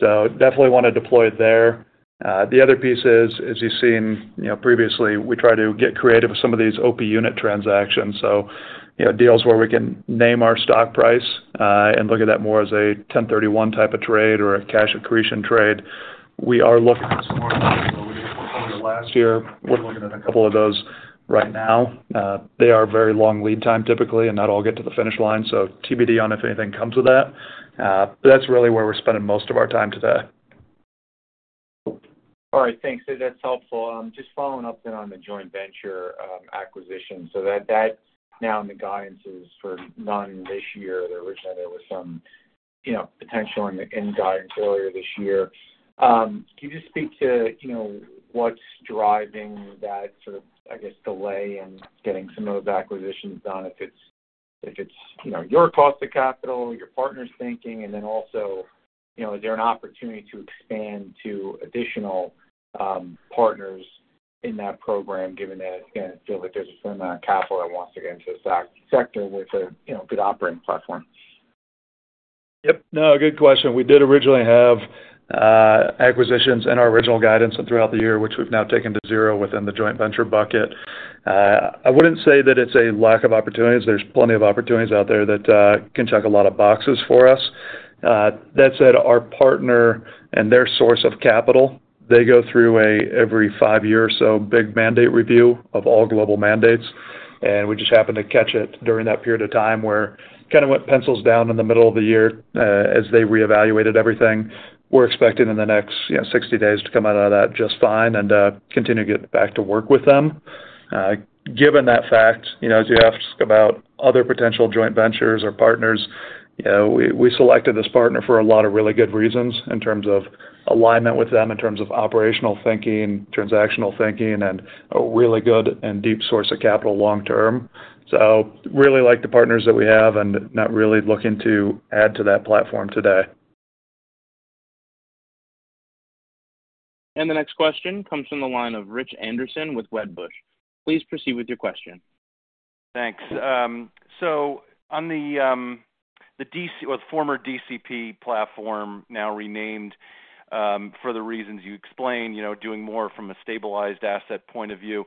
So definitely want to deploy there. The other piece is, as you've seen previously, we try to get creative with some of these OP Unit transactions. So deals where we can name our stock price and look at that more as a 1031 type of trade or a cash accretion trade. We are looking at some more of those earlier last year. We're looking at a couple of those right now. They are very long lead time typically, and not all get to the finish line. So TBD on if anything comes with that. But that's really where we're spending most of our time today. All right. Thanks. That's helpful. Just following up then on the joint venture acquisition. So that now in the guidance is for none this year. Originally, there was some potential in the guidance earlier this year. Can you just speak to what's driving that sort of, I guess, delay in getting some of those acquisitions done? If it's your cost of capital, your partner's thinking, and then also is there an opportunity to expand to additional partners in that program, given that it's going to feel like there's a certain amount of capital that wants to get into the sector with a good operating platform? Yep. No, good question. We did originally have acquisitions in our original guidance throughout the year, which we've now taken to zero within the joint venture bucket. I wouldn't say that it's a lack of opportunities. There's plenty of opportunities out there that can check a lot of boxes for us. That said, our partner and their source of capital, they go through an every five-year or so big mandate review of all global mandates. And we just happened to catch it during that period of time where it kind of went pencils down in the middle of the year as they reevaluated everything. We're expecting in the next 60 days to come out of that just fine and continue to get back to work with them. Given that fact, as you ask about other potential joint ventures or partners, we selected this partner for a lot of really good reasons in terms of alignment with them, in terms of operational thinking, transactional thinking, and a really good and deep source of capital long-term. So, really like the partners that we have and not really looking to add to that platform today. And the next question comes from the line of Rich Anderson with Wedbush. Please proceed with your question. Thanks. So, on the former DCP platform, now renamed for the reasons you explained, doing more from a stabilized asset point of view,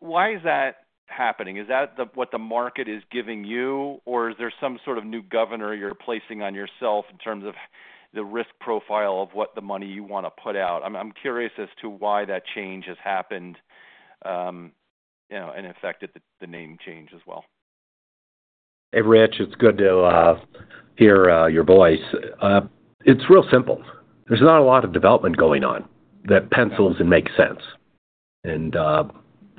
why is that happening? Is that what the market is giving you, or is there some sort of new governor you're placing on yourself in terms of the risk profile of what the money you want to put out? I'm curious as to why that change has happened and affected the name change as well. Hey, Rich. It's good to hear your voice. It's real simple. There's not a lot of development going on that pencils and makes sense.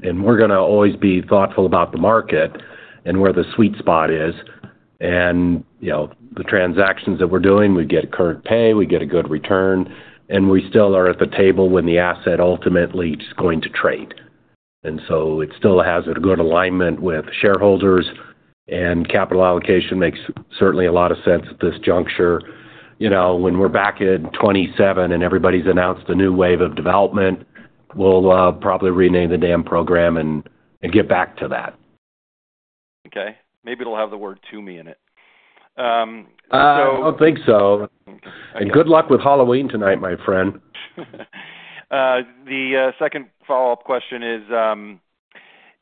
We're going to always be thoughtful about the market and where the sweet spot is. The transactions that we're doing, we get a current pay, we get a good return, and we still are at the table when the asset ultimately is going to trade. So it still has a good alignment with shareholders, and capital allocation makes certainly a lot of sense at this juncture. When we're back in 2027 and everybody's announced a new wave of development, we'll probably rename the damn program and get back to that. Okay. Maybe it'll have the word Toomey in it. I don't think so. Good luck with Halloween tonight, my friend. The second follow-up question is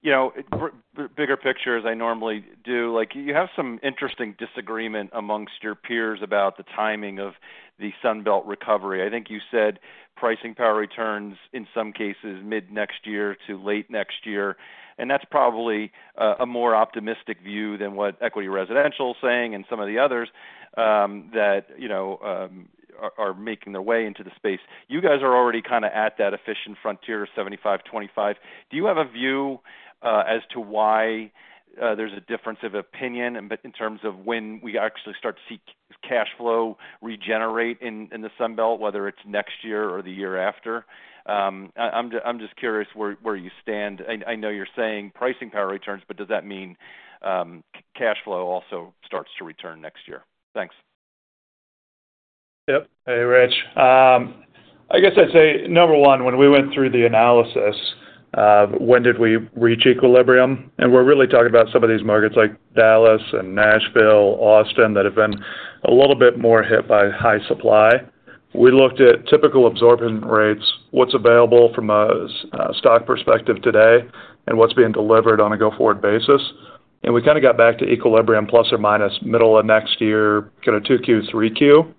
bigger picture as I normally do. You have some interesting disagreement among your peers about the timing of the Sunbelt recovery. I think you said pricing power returns in some cases mid-next year to late next year. And that's probably a more optimistic view than what Equity Residential is saying and some of the others that are making their way into the space. You guys are already kind of at that efficient frontier, 75-25. Do you have a view as to why there's a difference of opinion in terms of when we actually start to see cash flow regenerate in the Sunbelt, whether it's next year or the year after? I'm just curious where you stand. I know you're saying pricing power returns, but does that mean cash flow also starts to return next year? Thanks. Yep. Hey, Rich. I guess I'd say number one, when we went through the analysis of when did we reach equilibrium, and we're really talking about some of these markets like Dallas and Nashville, Austin that have been a little bit more hit by high supply. We looked at typical absorption rates, what's available from a stock perspective today, and what's being delivered on a go-forward basis, and we kind of got back to equilibrium, plus or minus middle of next year, kind of 2Q, 3Q,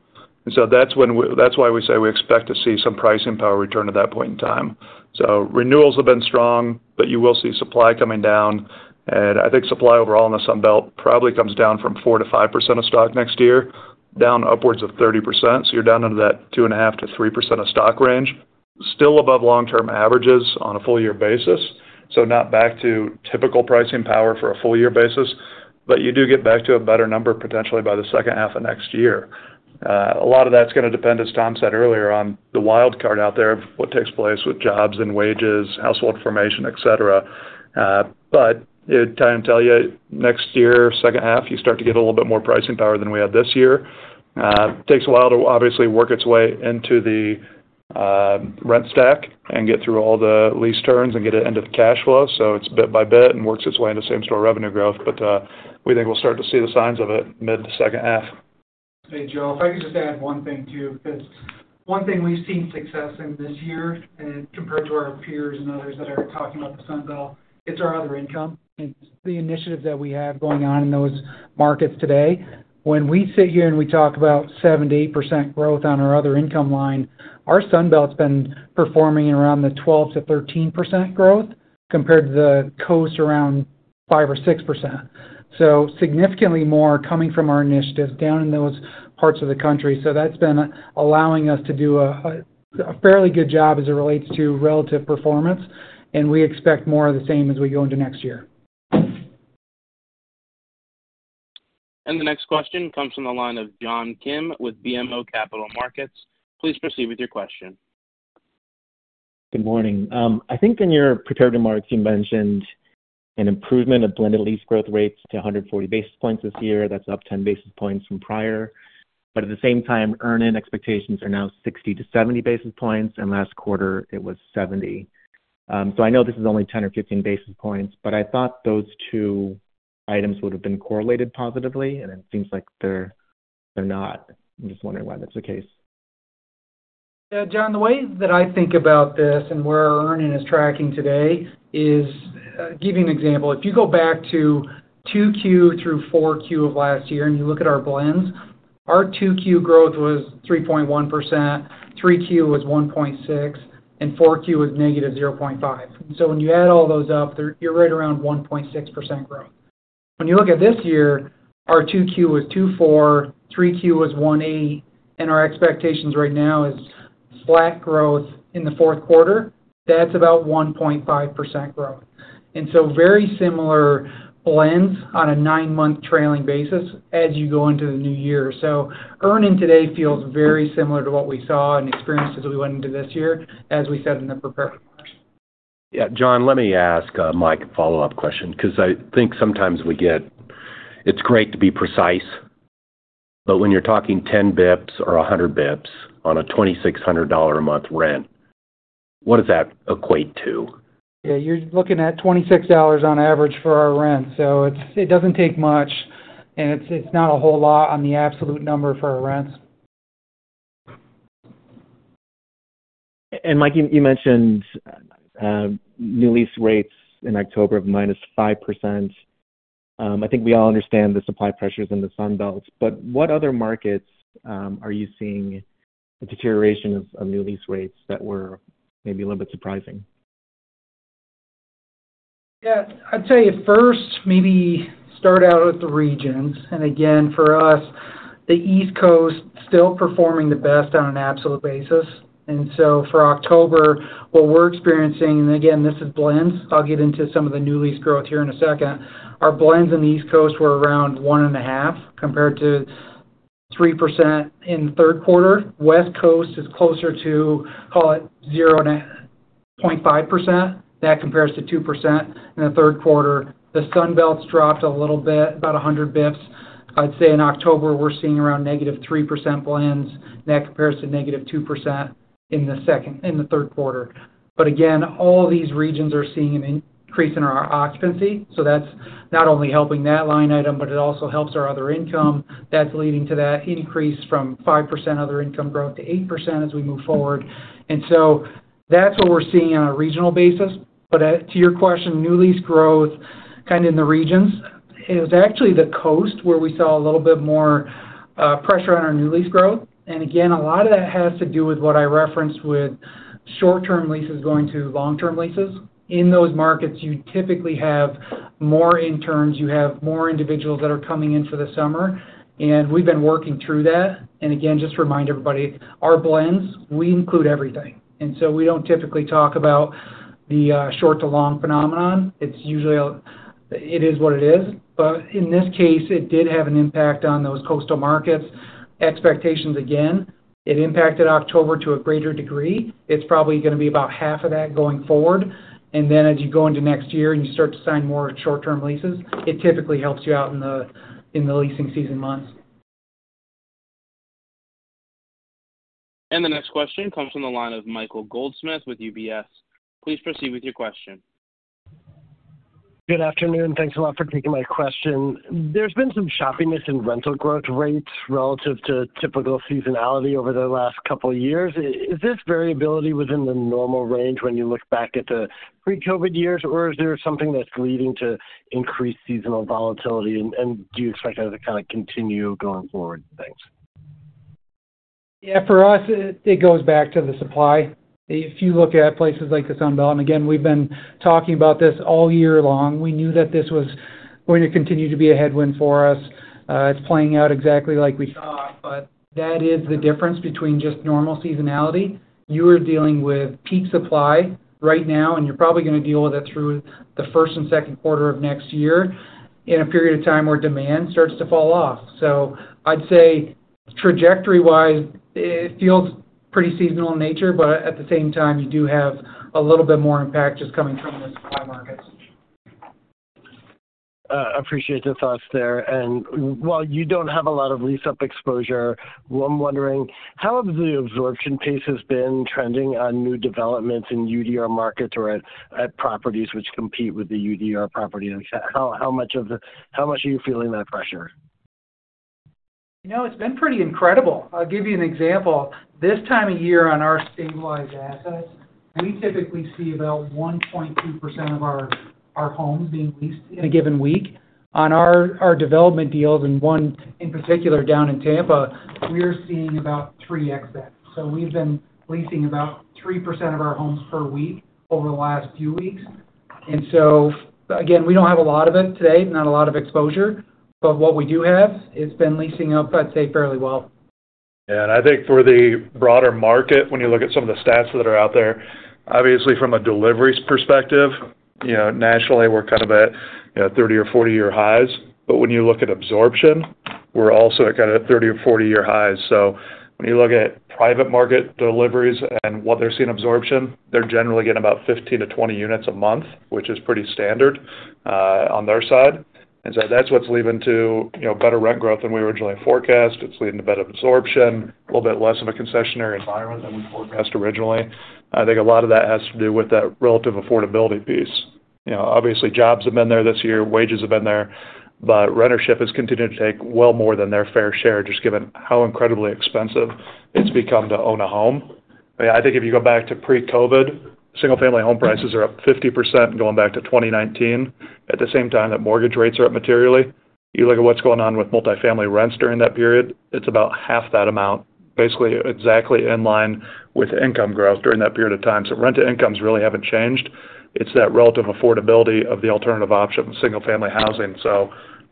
and so that's why we say we expect to see some pricing power return at that point in time, so renewals have been strong, but you will see supply coming down, and I think supply overall in the Sunbelt probably comes down from 4-5% of stock next year, down upwards of 30%. So you're down into that 2.5%-3% stock range, still above long-term averages on a full-year basis. So not back to typical pricing power for a full-year basis, but you do get back to a better number potentially by the second half of next year. A lot of that's going to depend, as Tom said earlier, on the wildcard out there of what takes place with jobs and wages, household formation, etc. But I'm telling you, next year, second half, you start to get a little bit more pricing power than we had this year. Takes a while to obviously work its way into the rent stack and get through all the lease turns and get it into the cash flow. So it's bit by bit and works its way into same-store revenue growth. But we think we'll start to see the signs of it mid- to second half. Hey, Joel. If I could just add one thing too, because one thing we've seen success in this year compared to our peers and others that are talking about the Sunbelt, it's our other income. It's the initiative that we have going on in those markets today. When we sit here and we talk about 70% growth on our other income line, our Sunbelt's been performing around the 12%-13% growth compared to the coast around 5%-6%. So significantly more coming from our initiatives down in those parts of the country. So that's been allowing us to do a fairly good job as it relates to relative performance. And we expect more of the same as we go into next year. The next question comes from the line of John Kim with BMO Capital Markets. Please proceed with your question. Good morning. I think in your prepared remarks, you mentioned an improvement of blended lease growth rates to 140 basis points this year. That's up 10 basis points from prior. But at the same time, earnings expectations are now 60-70 basis points. And last quarter, it was 70. So I know this is only 10 or 15 basis points, but I thought those two items would have been correlated positively. And it seems like they're not. I'm just wondering why that's the case. Yeah, John, the way that I think about this and where our earnings is tracking today is, give you an example. If you go back to 2Q through 4Q of last year and you look at our blends, our 2Q growth was 3.1%, 3Q was 1.6%, and 4Q was negative 0.5%. And so when you add all those up, you're right around 1.6% growth. When you look at this year, our 2Q was 2.4%, 3Q was 1.8%, and our expectations right now is flat growth in the fourth quarter. That's about 1.5% growth. And so very similar blends on a nine-month trailing basis as you go into the new year. So entering today feels very similar to what we saw and experienced as we went into this year, as we said in the prepared remarks. Yeah. John, let me ask Mike a follow-up question because I think sometimes we get it's great to be precise, but when you're talking 10 basis points or 100 basis points on a $2,600 a month rent, what does that equate to? Yeah. You're looking at $26 on average for our rent. So it doesn't take much, and it's not a whole lot on the absolute number for our rents. Mike, you mentioned new lease rates in October of -5%. I think we all understand the supply pressures in the Sunbelt. But what other markets are you seeing a deterioration of new lease rates that were maybe a little bit surprising? Yeah. I'd say at first, maybe start out with the regions. Again, for us, the East Coast is still performing the best on an absolute basis. So for October, what we're experiencing, and again, this is blends. I'll get into some of the new lease growth here in a second. Our blends in the East Coast were around 1.5% compared to 3% in the third quarter. West Coast is closer to, call it 0.5%. That compares to 2% in the third quarter. The Sunbelt's dropped a little bit, about 100 basis points. I'd say in October, we're seeing around negative 3% blends. That compares to negative 2% in the third quarter. But again, all these regions are seeing an increase in our occupancy. So that's not only helping that line item, but it also helps our other income. That's leading to that increase from 5% other income growth to 8% as we move forward. And so that's what we're seeing on a regional basis. But to your question, new lease growth kind of in the regions, it was actually the coast where we saw a little bit more pressure on our new lease growth. And again, a lot of that has to do with what I referenced with short-term leases going to long-term leases. In those markets, you typically have more interns. You have more individuals that are coming in for the summer. And we've been working through that. And again, just to remind everybody, our blends, we include everything. And so we don't typically talk about the short-to-long phenomenon. It's usually it is what it is. But in this case, it did have an impact on those coastal markets. Expectations, again, it impacted October to a greater degree. It's probably going to be about half of that going forward. And then as you go into next year and you start to sign more short-term leases, it typically helps you out in the leasing season months. The next question comes from the line of Michael Goldsmith with UBS. Please proceed with your question. Good afternoon. Thanks a lot for taking my question. There's been some choppiness in rental growth rates relative to typical seasonality over the last couple of years. Is this variability within the normal range when you look back at the pre-COVID years, or is there something that's leading to increased seasonal volatility? Do you expect that to kind of continue going forward? Thanks. Yeah. For us, it goes back to the supply. If you look at places like the Sunbelt, and again, we've been talking about this all year long. We knew that this was going to continue to be a headwind for us. It's playing out exactly like we thought, but that is the difference between just normal seasonality. You are dealing with peak supply right now, and you're probably going to deal with it through the first and second quarter of next year in a period of time where demand starts to fall off, so I'd say trajectory-wise, it feels pretty seasonal in nature, but at the same time, you do have a little bit more impact just coming from the supply markets. I appreciate the thoughts there, and while you don't have a lot of lease-up exposure, I'm wondering how the absorption pace has been trending on new developments in UDR markets or at properties which compete with the UDR property. How much are you feeling that pressure? It's been pretty incredible. I'll give you an example. This time of year on our stabilized assets, we typically see about 1.2% of our homes being leased in a given week. On our development deals, one in particular down in Tampa, we're seeing about 3x that. So we've been leasing about 3% of our homes per week over the last few weeks, and so again, we don't have a lot of it today, not a lot of exposure. But what we do have, it's been leasing up, I'd say, fairly well. Yeah. I think for the broader market, when you look at some of the stats that are out there, obviously from a deliveries perspective, nationally, we're kind of at 30- or 40-year highs. But when you look at absorption, we're also at kind of 30- or 40-year highs. So when you look at private market deliveries and what they're seeing absorption, they're generally getting about 15-20 units a month, which is pretty standard on their side. And so that's what's leading to better rent growth than we originally forecast. It's leading to better absorption, a little bit less of a concessionary environment than we forecast originally. I think a lot of that has to do with that relative affordability piece. Obviously, jobs have been there this year. Wages have been there. But rentership has continued to take well more than their fair share just given how incredibly expensive it's become to own a home. I think if you go back to pre-COVID, single-family home prices are up 50% going back to 2019. At the same time that mortgage rates are up materially, you look at what's going on with multifamily rents during that period, it's about half that amount, basically exactly in line with income growth during that period of time. So rent to incomes really haven't changed. It's that relative affordability of the alternative option of single-family housing. So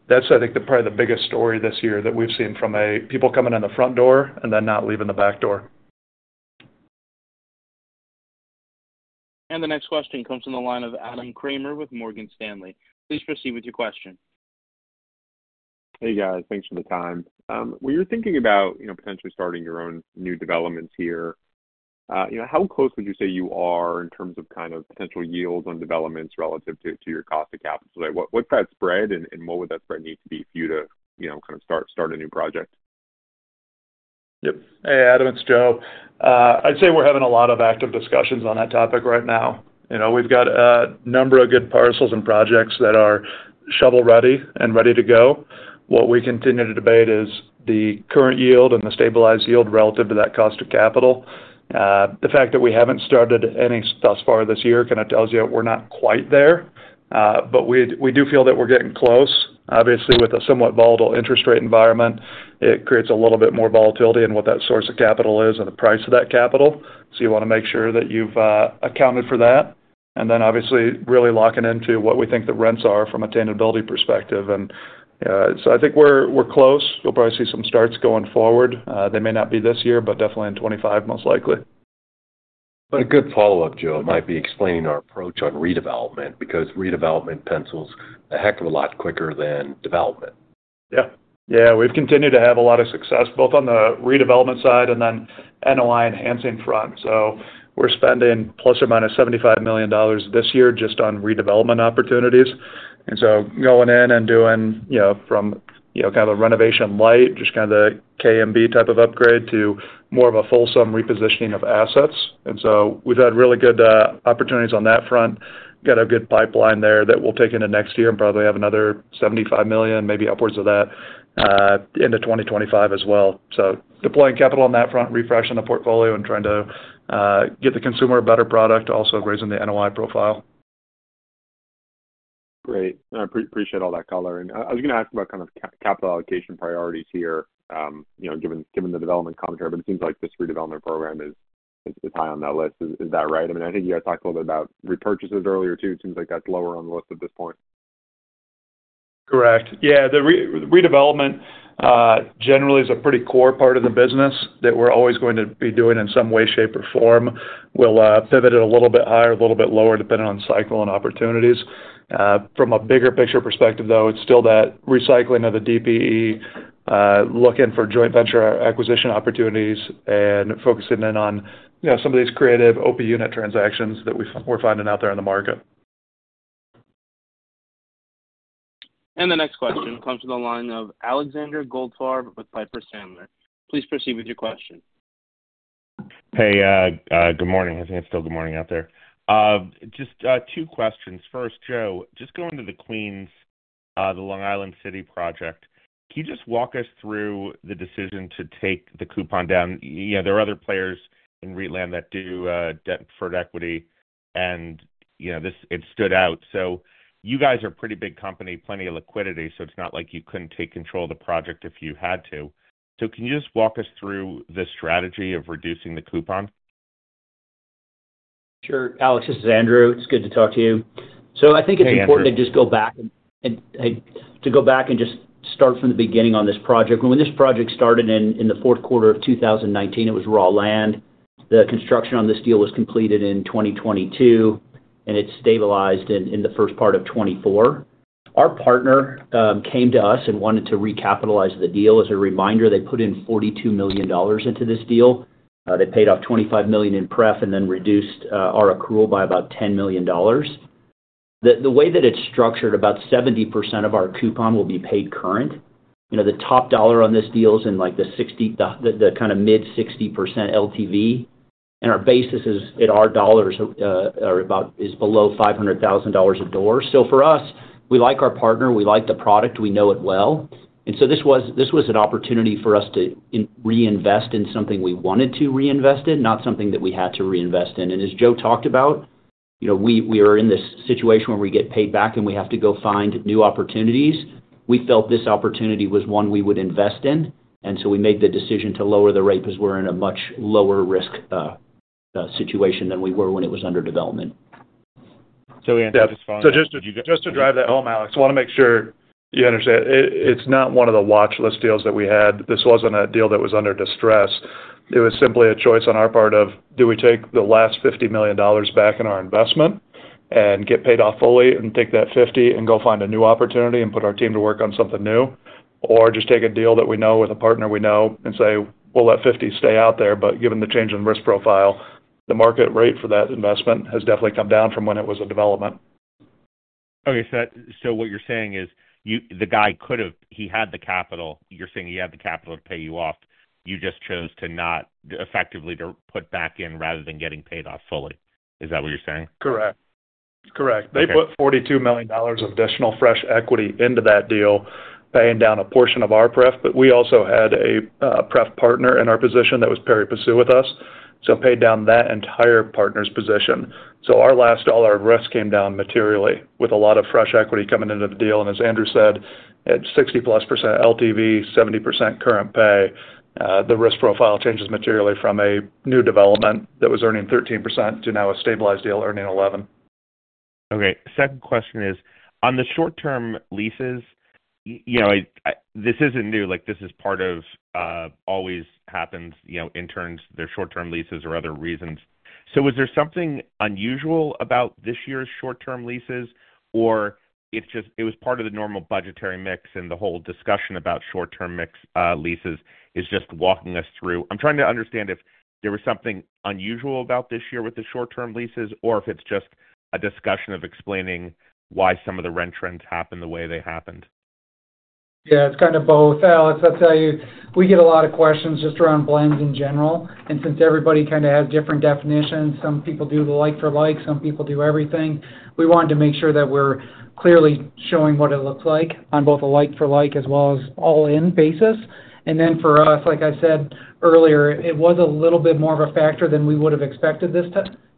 that's, I think, probably the biggest story this year that we've seen from people coming in the front door and then not leaving the back door. And the next question comes from the line of Adam Kramer with Morgan Stanley. Please proceed with your question. Hey, guys. Thanks for the time. When you're thinking about potentially starting your own new developments here, how close would you say you are in terms of kind of potential yields on developments relative to your cost of capital? What's that spread, and what would that spread need to be for you to kind of start a new project? Yep. Hey, Adam. It's Joe. I'd say we're having a lot of active discussions on that topic right now. We've got a number of good parcels and projects that are shovel-ready and ready to go. What we continue to debate is the current yield and the stabilized yield relative to that cost of capital. The fact that we haven't started any thus far this year kind of tells you we're not quite there. But we do feel that we're getting close. Obviously, with a somewhat volatile interest rate environment, it creates a little bit more volatility in what that source of capital is and the price of that capital. So you want to make sure that you've accounted for that. And then, obviously, really locking into what we think the rents are from a tangibility perspective. And so I think we're close. You'll probably see some starts going forward. They may not be this year, but definitely in 2025, most likely. But a good follow-up, Joe, might be explaining our approach on redevelopment because redevelopment pencils a heck of a lot quicker than development. Yeah. Yeah. We've continued to have a lot of success both on the redevelopment side and then NOI enhancing front. So we're spending plus or minus $75 million this year just on redevelopment opportunities. And so going in and doing from kind of a renovation light, just kind of the K&B type of upgrade to more of a fulsome repositioning of assets. And so we've had really good opportunities on that front. Got a good pipeline there that we'll take into next year and probably have another $75 million, maybe upwards of that into 2025 as well, so deploying capital on that front, refreshing the portfolio and trying to get the consumer a better product, also raising the NOI profile. Great. I appreciate all that coloring. I was going to ask about kind of capital allocation priorities here given the development commentary, but it seems like this redevelopment program is high on that list. Is that right? I mean, I think you had talked a little bit about repurchases earlier too. It seems like that's lower on the list at this point. Correct. Yeah. The redevelopment generally is a pretty core part of the business that we're always going to be doing in some way, shape, or form. We'll pivot it a little bit higher, a little bit lower depending on cycle and opportunities. From a bigger picture perspective, though, it's still that recycling of the DPE, looking for joint venture acquisition opportunities, and focusing in on some of these creative OP unit transactions that we're finding out there in the market. And the next question comes from the line of Alexander Goldfarb with Piper Sandler. Please proceed with your question. Hey, good morning. I think it's still good morning out there. Just two questions. First, Joe, just going to the Queens, the Long Island City project. Can you just walk us through the decision to take the coupon down? There are other players in real estate that do debt for equity, and it stood out. So you guys are a pretty big company, plenty of liquidity. So it's not like you couldn't take control of the project if you had to. So can you just walk us through the strategy of reducing the coupon? Sure. Alex, this is Andrew. It's good to talk to you. So I think it's important to just go back and just start from the beginning on this project. When this project started in the fourth quarter of 2019, it was raw land. The construction on this deal was completed in 2022, and it stabilized in the first part of 2024. Our partner came to us and wanted to recapitalize the deal. As a reminder, they put in $42 million into this deal. They paid off $25 million in pref and then reduced our accrual by about $10 million. The way that it's structured, about 70% of our coupon will be paid current. The top dollar on this deal is in the kind of mid-60% LTV. And our basis, in our dollars, is below $500,000 a door. So for us, we like our partner. We like the product. We know it well. And so this was an opportunity for us to reinvest in something we wanted to reinvest in, not something that we had to reinvest in. And as Joe talked about, we are in this situation where we get paid back, and we have to go find new opportunities. We felt this opportunity was one we would invest in. And so we made the decision to lower the rate because we're in a much lower risk situation than we were when it was under development. So we anticipate. So just to drive that home, Alex, I want to make sure you understand. It's not one of the watchlist deals that we had. This wasn't a deal that was under distress. It was simply a choice on our part of, do we take the last $50 million back in our investment and get paid off fully and take that $50 and go find a new opportunity and put our team to work on something new, or just take a deal that we know with a partner we know and say, "Well, that $50 stay out there." But given the change in risk profile, the market rate for that investment has definitely come down from when it was a development. Okay. So what you're saying is the guy could have. He had the capital. You're saying he had the capital to pay you off. You just chose to not effectively put back in rather than getting paid off fully. Is that what you're saying? Correct. Correct. They put $42 million of additional fresh equity into that deal, paying down a portion of our prep. But we also had a prep partner in our position that was Pari Passu with us. So paid down that entire partner's position. So our last dollar of risk came down materially with a lot of fresh equity coming into the deal. And as Andrew said, at 60-plus% LTV, 70% current pay, the risk profile changes materially from a new development that was earning 13% to now a stabilized deal earning 11%. Okay. Second question is, on the short-term leases, this isn't new. This is part of always happens interns, their short-term leases or other reasons. So was there something unusual about this year's short-term leases, or it was part of the normal budgetary mix and the whole discussion about short-term mix leases is just walking us through? I'm trying to understand if there was something unusual about this year with the short-term leases or if it's just a discussion of explaining why some of the rent trends happened the way they happened. Yeah. It's kind of both. Alex, I'll tell you, we get a lot of questions just around blends in general, and since everybody kind of has different definitions, some people do the like-for-like, some people do everything, we wanted to make sure that we're clearly showing what it looks like on both a like-for-like as well as all-in basis. And then for us, like I said earlier, it was a little bit more of a factor than we would have expected this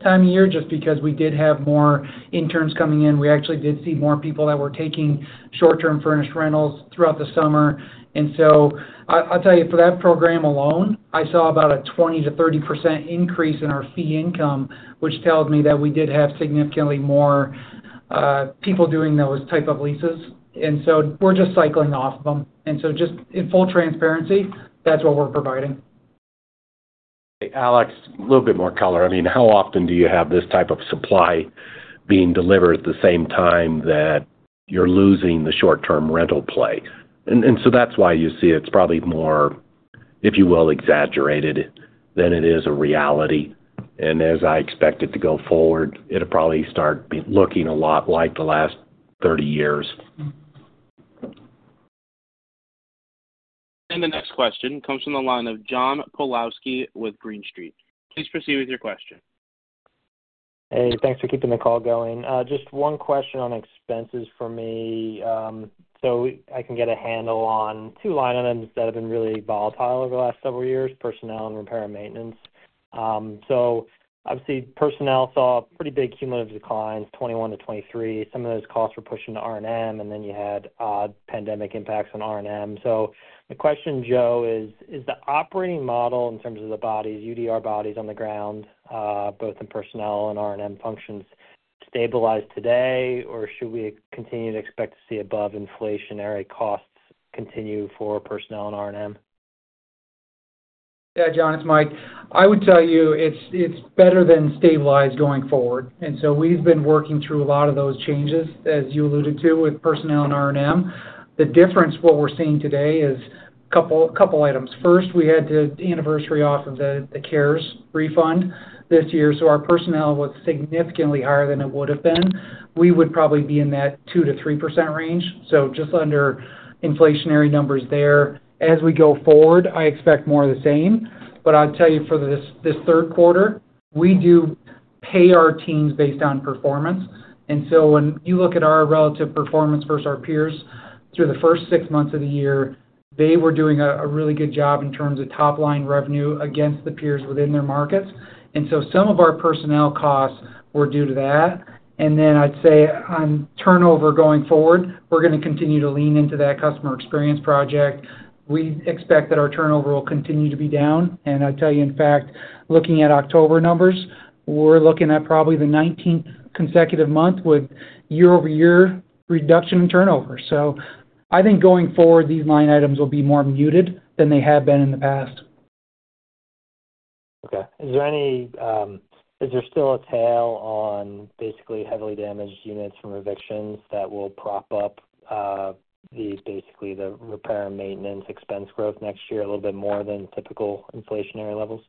time of year just because we did have more interns coming in. We actually did see more people that were taking short-term furnished rentals throughout the summer. And so I'll tell you, for that program alone, I saw about a 20%-30% increase in our fee income, which tells me that we did have significantly more people doing those type of leases. And so we're just cycling off of them. And so just in full transparency, that's what we're providing. Alex, a little bit more color. I mean, how often do you have this type of supply being delivered at the same time that you're losing the short-term rental play? And so that's why you see it's probably more, if you will, exaggerated than it is a reality. And as I expect it to go forward, it'll probably start looking a lot like the last 30 years. And the next question comes from the line of John Pawlowski with Green Street. Please proceed with your question. Hey, thanks for keeping the call going. Just one question on expenses for me so I can get a handle on two line items that have been really volatile over the last several years, personnel and repair and maintenance. So obviously, personnel saw pretty big cumulative declines, 2021-2023. Some of those costs were pushed into R&M, and then you had pandemic impacts on R&M. So the question, Joe, is the operating model in terms of the bodies, UDR bodies on the ground, both in personnel and R&M functions, stabilize today, or should we continue to expect to see above-inflationary costs continue for personnel and R&M? Yeah, John, it's Mike. I would tell you it's better than stabilized going forward, and so we've been working through a lot of those changes, as you alluded to, with personnel and R&M. The difference, what we're seeing today is a couple items. First, we had the anniversary off of the CARES refund this year. So our personnel was significantly higher than it would have been. We would probably be in that 2%-3% range. So just under inflationary numbers there. As we go forward, I expect more of the same. But I'll tell you for this third quarter, we do pay our teams based on performance. And so when you look at our relative performance versus our peers through the first six months of the year, they were doing a really good job in terms of top-line revenue against the peers within their markets. And so some of our personnel costs were due to that. And then I'd say on turnover going forward, we're going to continue to lean into that Customer Experience Project. We expect that our turnover will continue to be down. I'll tell you, in fact, looking at October numbers, we're looking at probably the 19th consecutive month with year-over-year reduction in turnover. I think going forward, these line items will be more muted than they have been in the past. Okay. Is there still a tail on basically heavily damaged units from evictions that will prop up basically the repair and maintenance expense growth next year a little bit more than typical inflationary levels?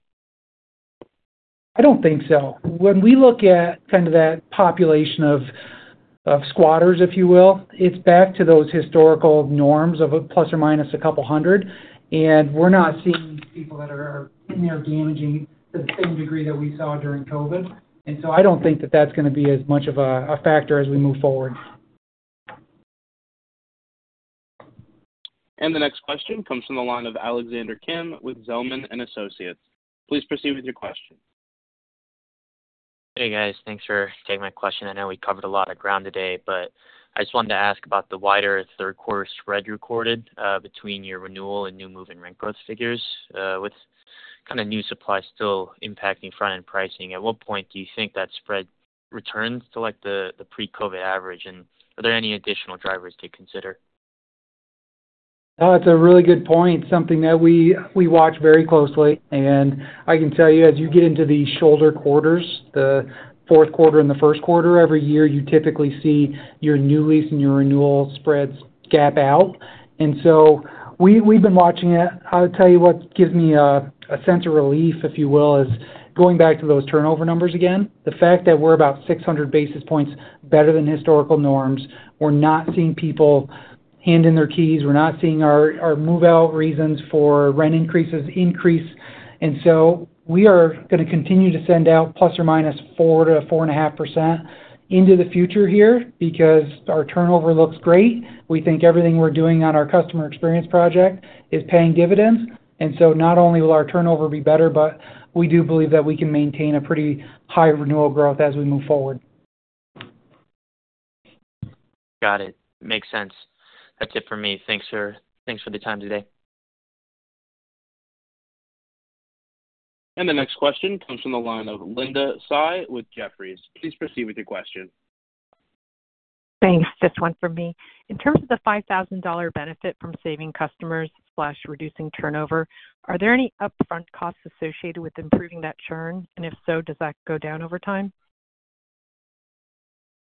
I don't think so. When we look at kind of that population of squatters, if you will, it's back to those historical norms of plus or minus a couple hundred. We're not seeing people that are in there damaging to the same degree that we saw during COVID. I don't think that that's going to be as much of a factor as we move forward. And the next question comes from the line of Alex Kim with Zelman & Associates. Please proceed with your question. Hey, guys. Thanks for taking my question. I know we covered a lot of ground today, but I just wanted to ask about the wider third-quarter spread recorded between your renewal and new move-in rent growth figures with kind of new supply still impacting front-end pricing. At what point do you think that spread returns to the pre-COVID average, and are there any additional drivers to consider? That's a really good point. Something that we watch very closely. And I can tell you, as you get into the shoulder quarters, the fourth quarter and the first quarter, every year you typically see your new lease and your renewal spreads gap out. And so we've been watching it. I'll tell you what gives me a sense of relief, if you will, is going back to those turnover numbers again. The fact that we're about 600 basis points better than historical norms. We're not seeing people handing their keys. We're not seeing our move-out reasons for rent increases increase. And so we are going to continue to send out plus or minus 4%-4.5% into the future here because our turnover looks great. We think everything we're doing on our customer experience project is paying dividends. And so not only will our turnover be better, but we do believe that we can maintain a pretty high renewal growth as we move forward. Got it. Makes sense. That's it for me. Thanks for the time today. And the next question comes from the line of Linda Tsai with Jefferies. Please proceed with your question. Thanks. Just one from me. In terms of the $5,000 benefit from saving customers/reducing turnover, are there any upfront costs associated with improving that churn? And if so, does that go down over time?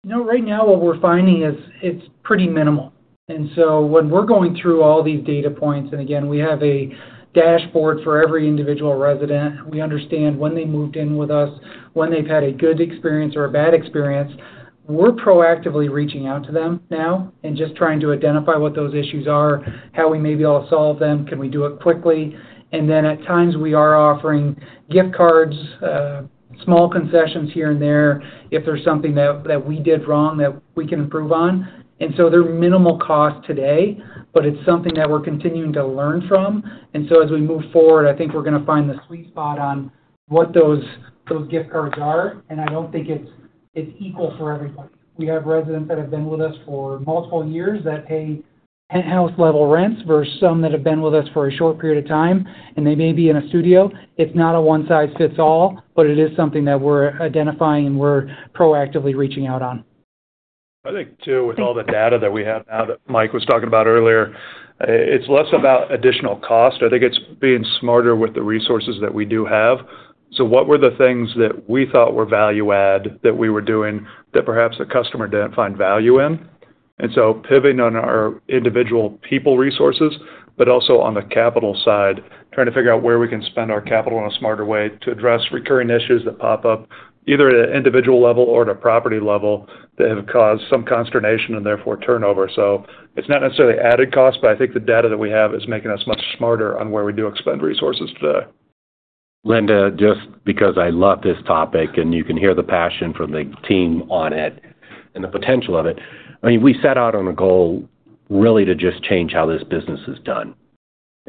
No, right now what we're finding is it's pretty minimal. And so when we're going through all these data points, and again, we have a dashboard for every individual resident. We understand when they moved in with us, when they've had a good experience or a bad experience. We're proactively reaching out to them now and just trying to identify what those issues are, how we maybe all solve them, can we do it quickly. And then at times, we are offering gift cards, small concessions here and there if there's something that we did wrong that we can improve on. And so they're minimal cost today, but it's something that we're continuing to learn from. And so as we move forward, I think we're going to find the sweet spot on what those gift cards are. And I don't think it's equal for everybody. We have residents that have been with us for multiple years that pay penthouse-level rents versus some that have been with us for a short period of time, and they may be in a studio. It's not a one-size-fits-all, but it is something that we're identifying and we're proactively reaching out on. I think, too, with all the data that we have now that Mike was talking about earlier, it's less about additional cost. I think it's being smarter with the resources that we do have. So what were the things that we thought were value-add that we were doing that perhaps the customer didn't find value in? Pivoting on our individual people resources, but also on the capital side, trying to figure out where we can spend our capital in a smarter way to address recurring issues that pop up either at an individual level or at a property level that have caused some consternation and therefore turnover. It's not necessarily added cost, but I think the data that we have is making us much smarter on where we do expend resources today. Linda, just because I love this topic and you can hear the passion from the team on it and the potential of it, I mean, we set out on a goal really to just change how this business is done.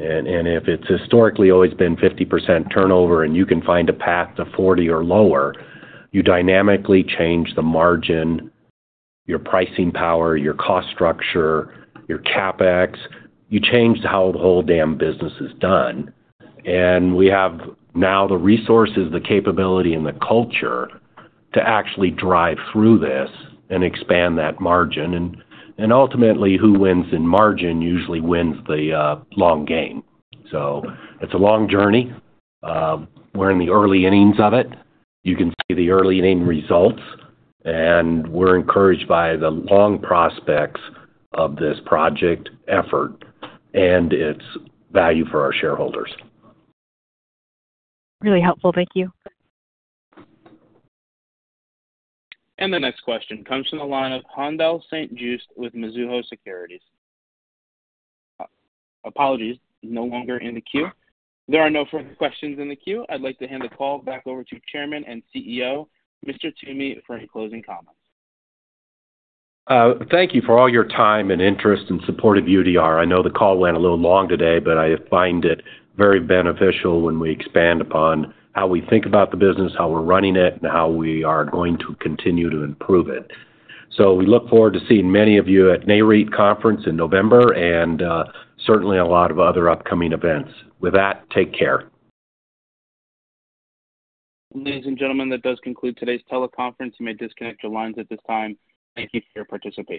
If it's historically always been 50% turnover and you can find a path to 40 or lower, you dynamically change the margin, your pricing power, your cost structure, your CapEx. You change how the whole damn business is done. And we have now the resources, the capability, and the culture to actually drive through this and expand that margin. And ultimately, who wins in margin usually wins the long game. So it's a long journey. We're in the early innings of it. You can see the early inning results. And we're encouraged by the long prospects of this project effort and its value for our shareholders. Really helpful. Thank you. And the next question comes from the line of Haendel St. Juste with Mizuho Securities. Apologies. No longer in the queue. There are no further questions in the queue. I'd like to hand the call back over to Chairman and CEO, Mr. Toomey, for any closing comments. Thank you for all your time and interest and support of UDR. I know the call went a little long today, but I find it very beneficial when we expand upon how we think about the business, how we're running it, and how we are going to continue to improve it. So we look forward to seeing many of you at NAREIT Conference in November and certainly a lot of other upcoming events. With that, take care. Ladies and gentlemen, that does conclude today's teleconference. You may disconnect your lines at this time. Thank you for your participation.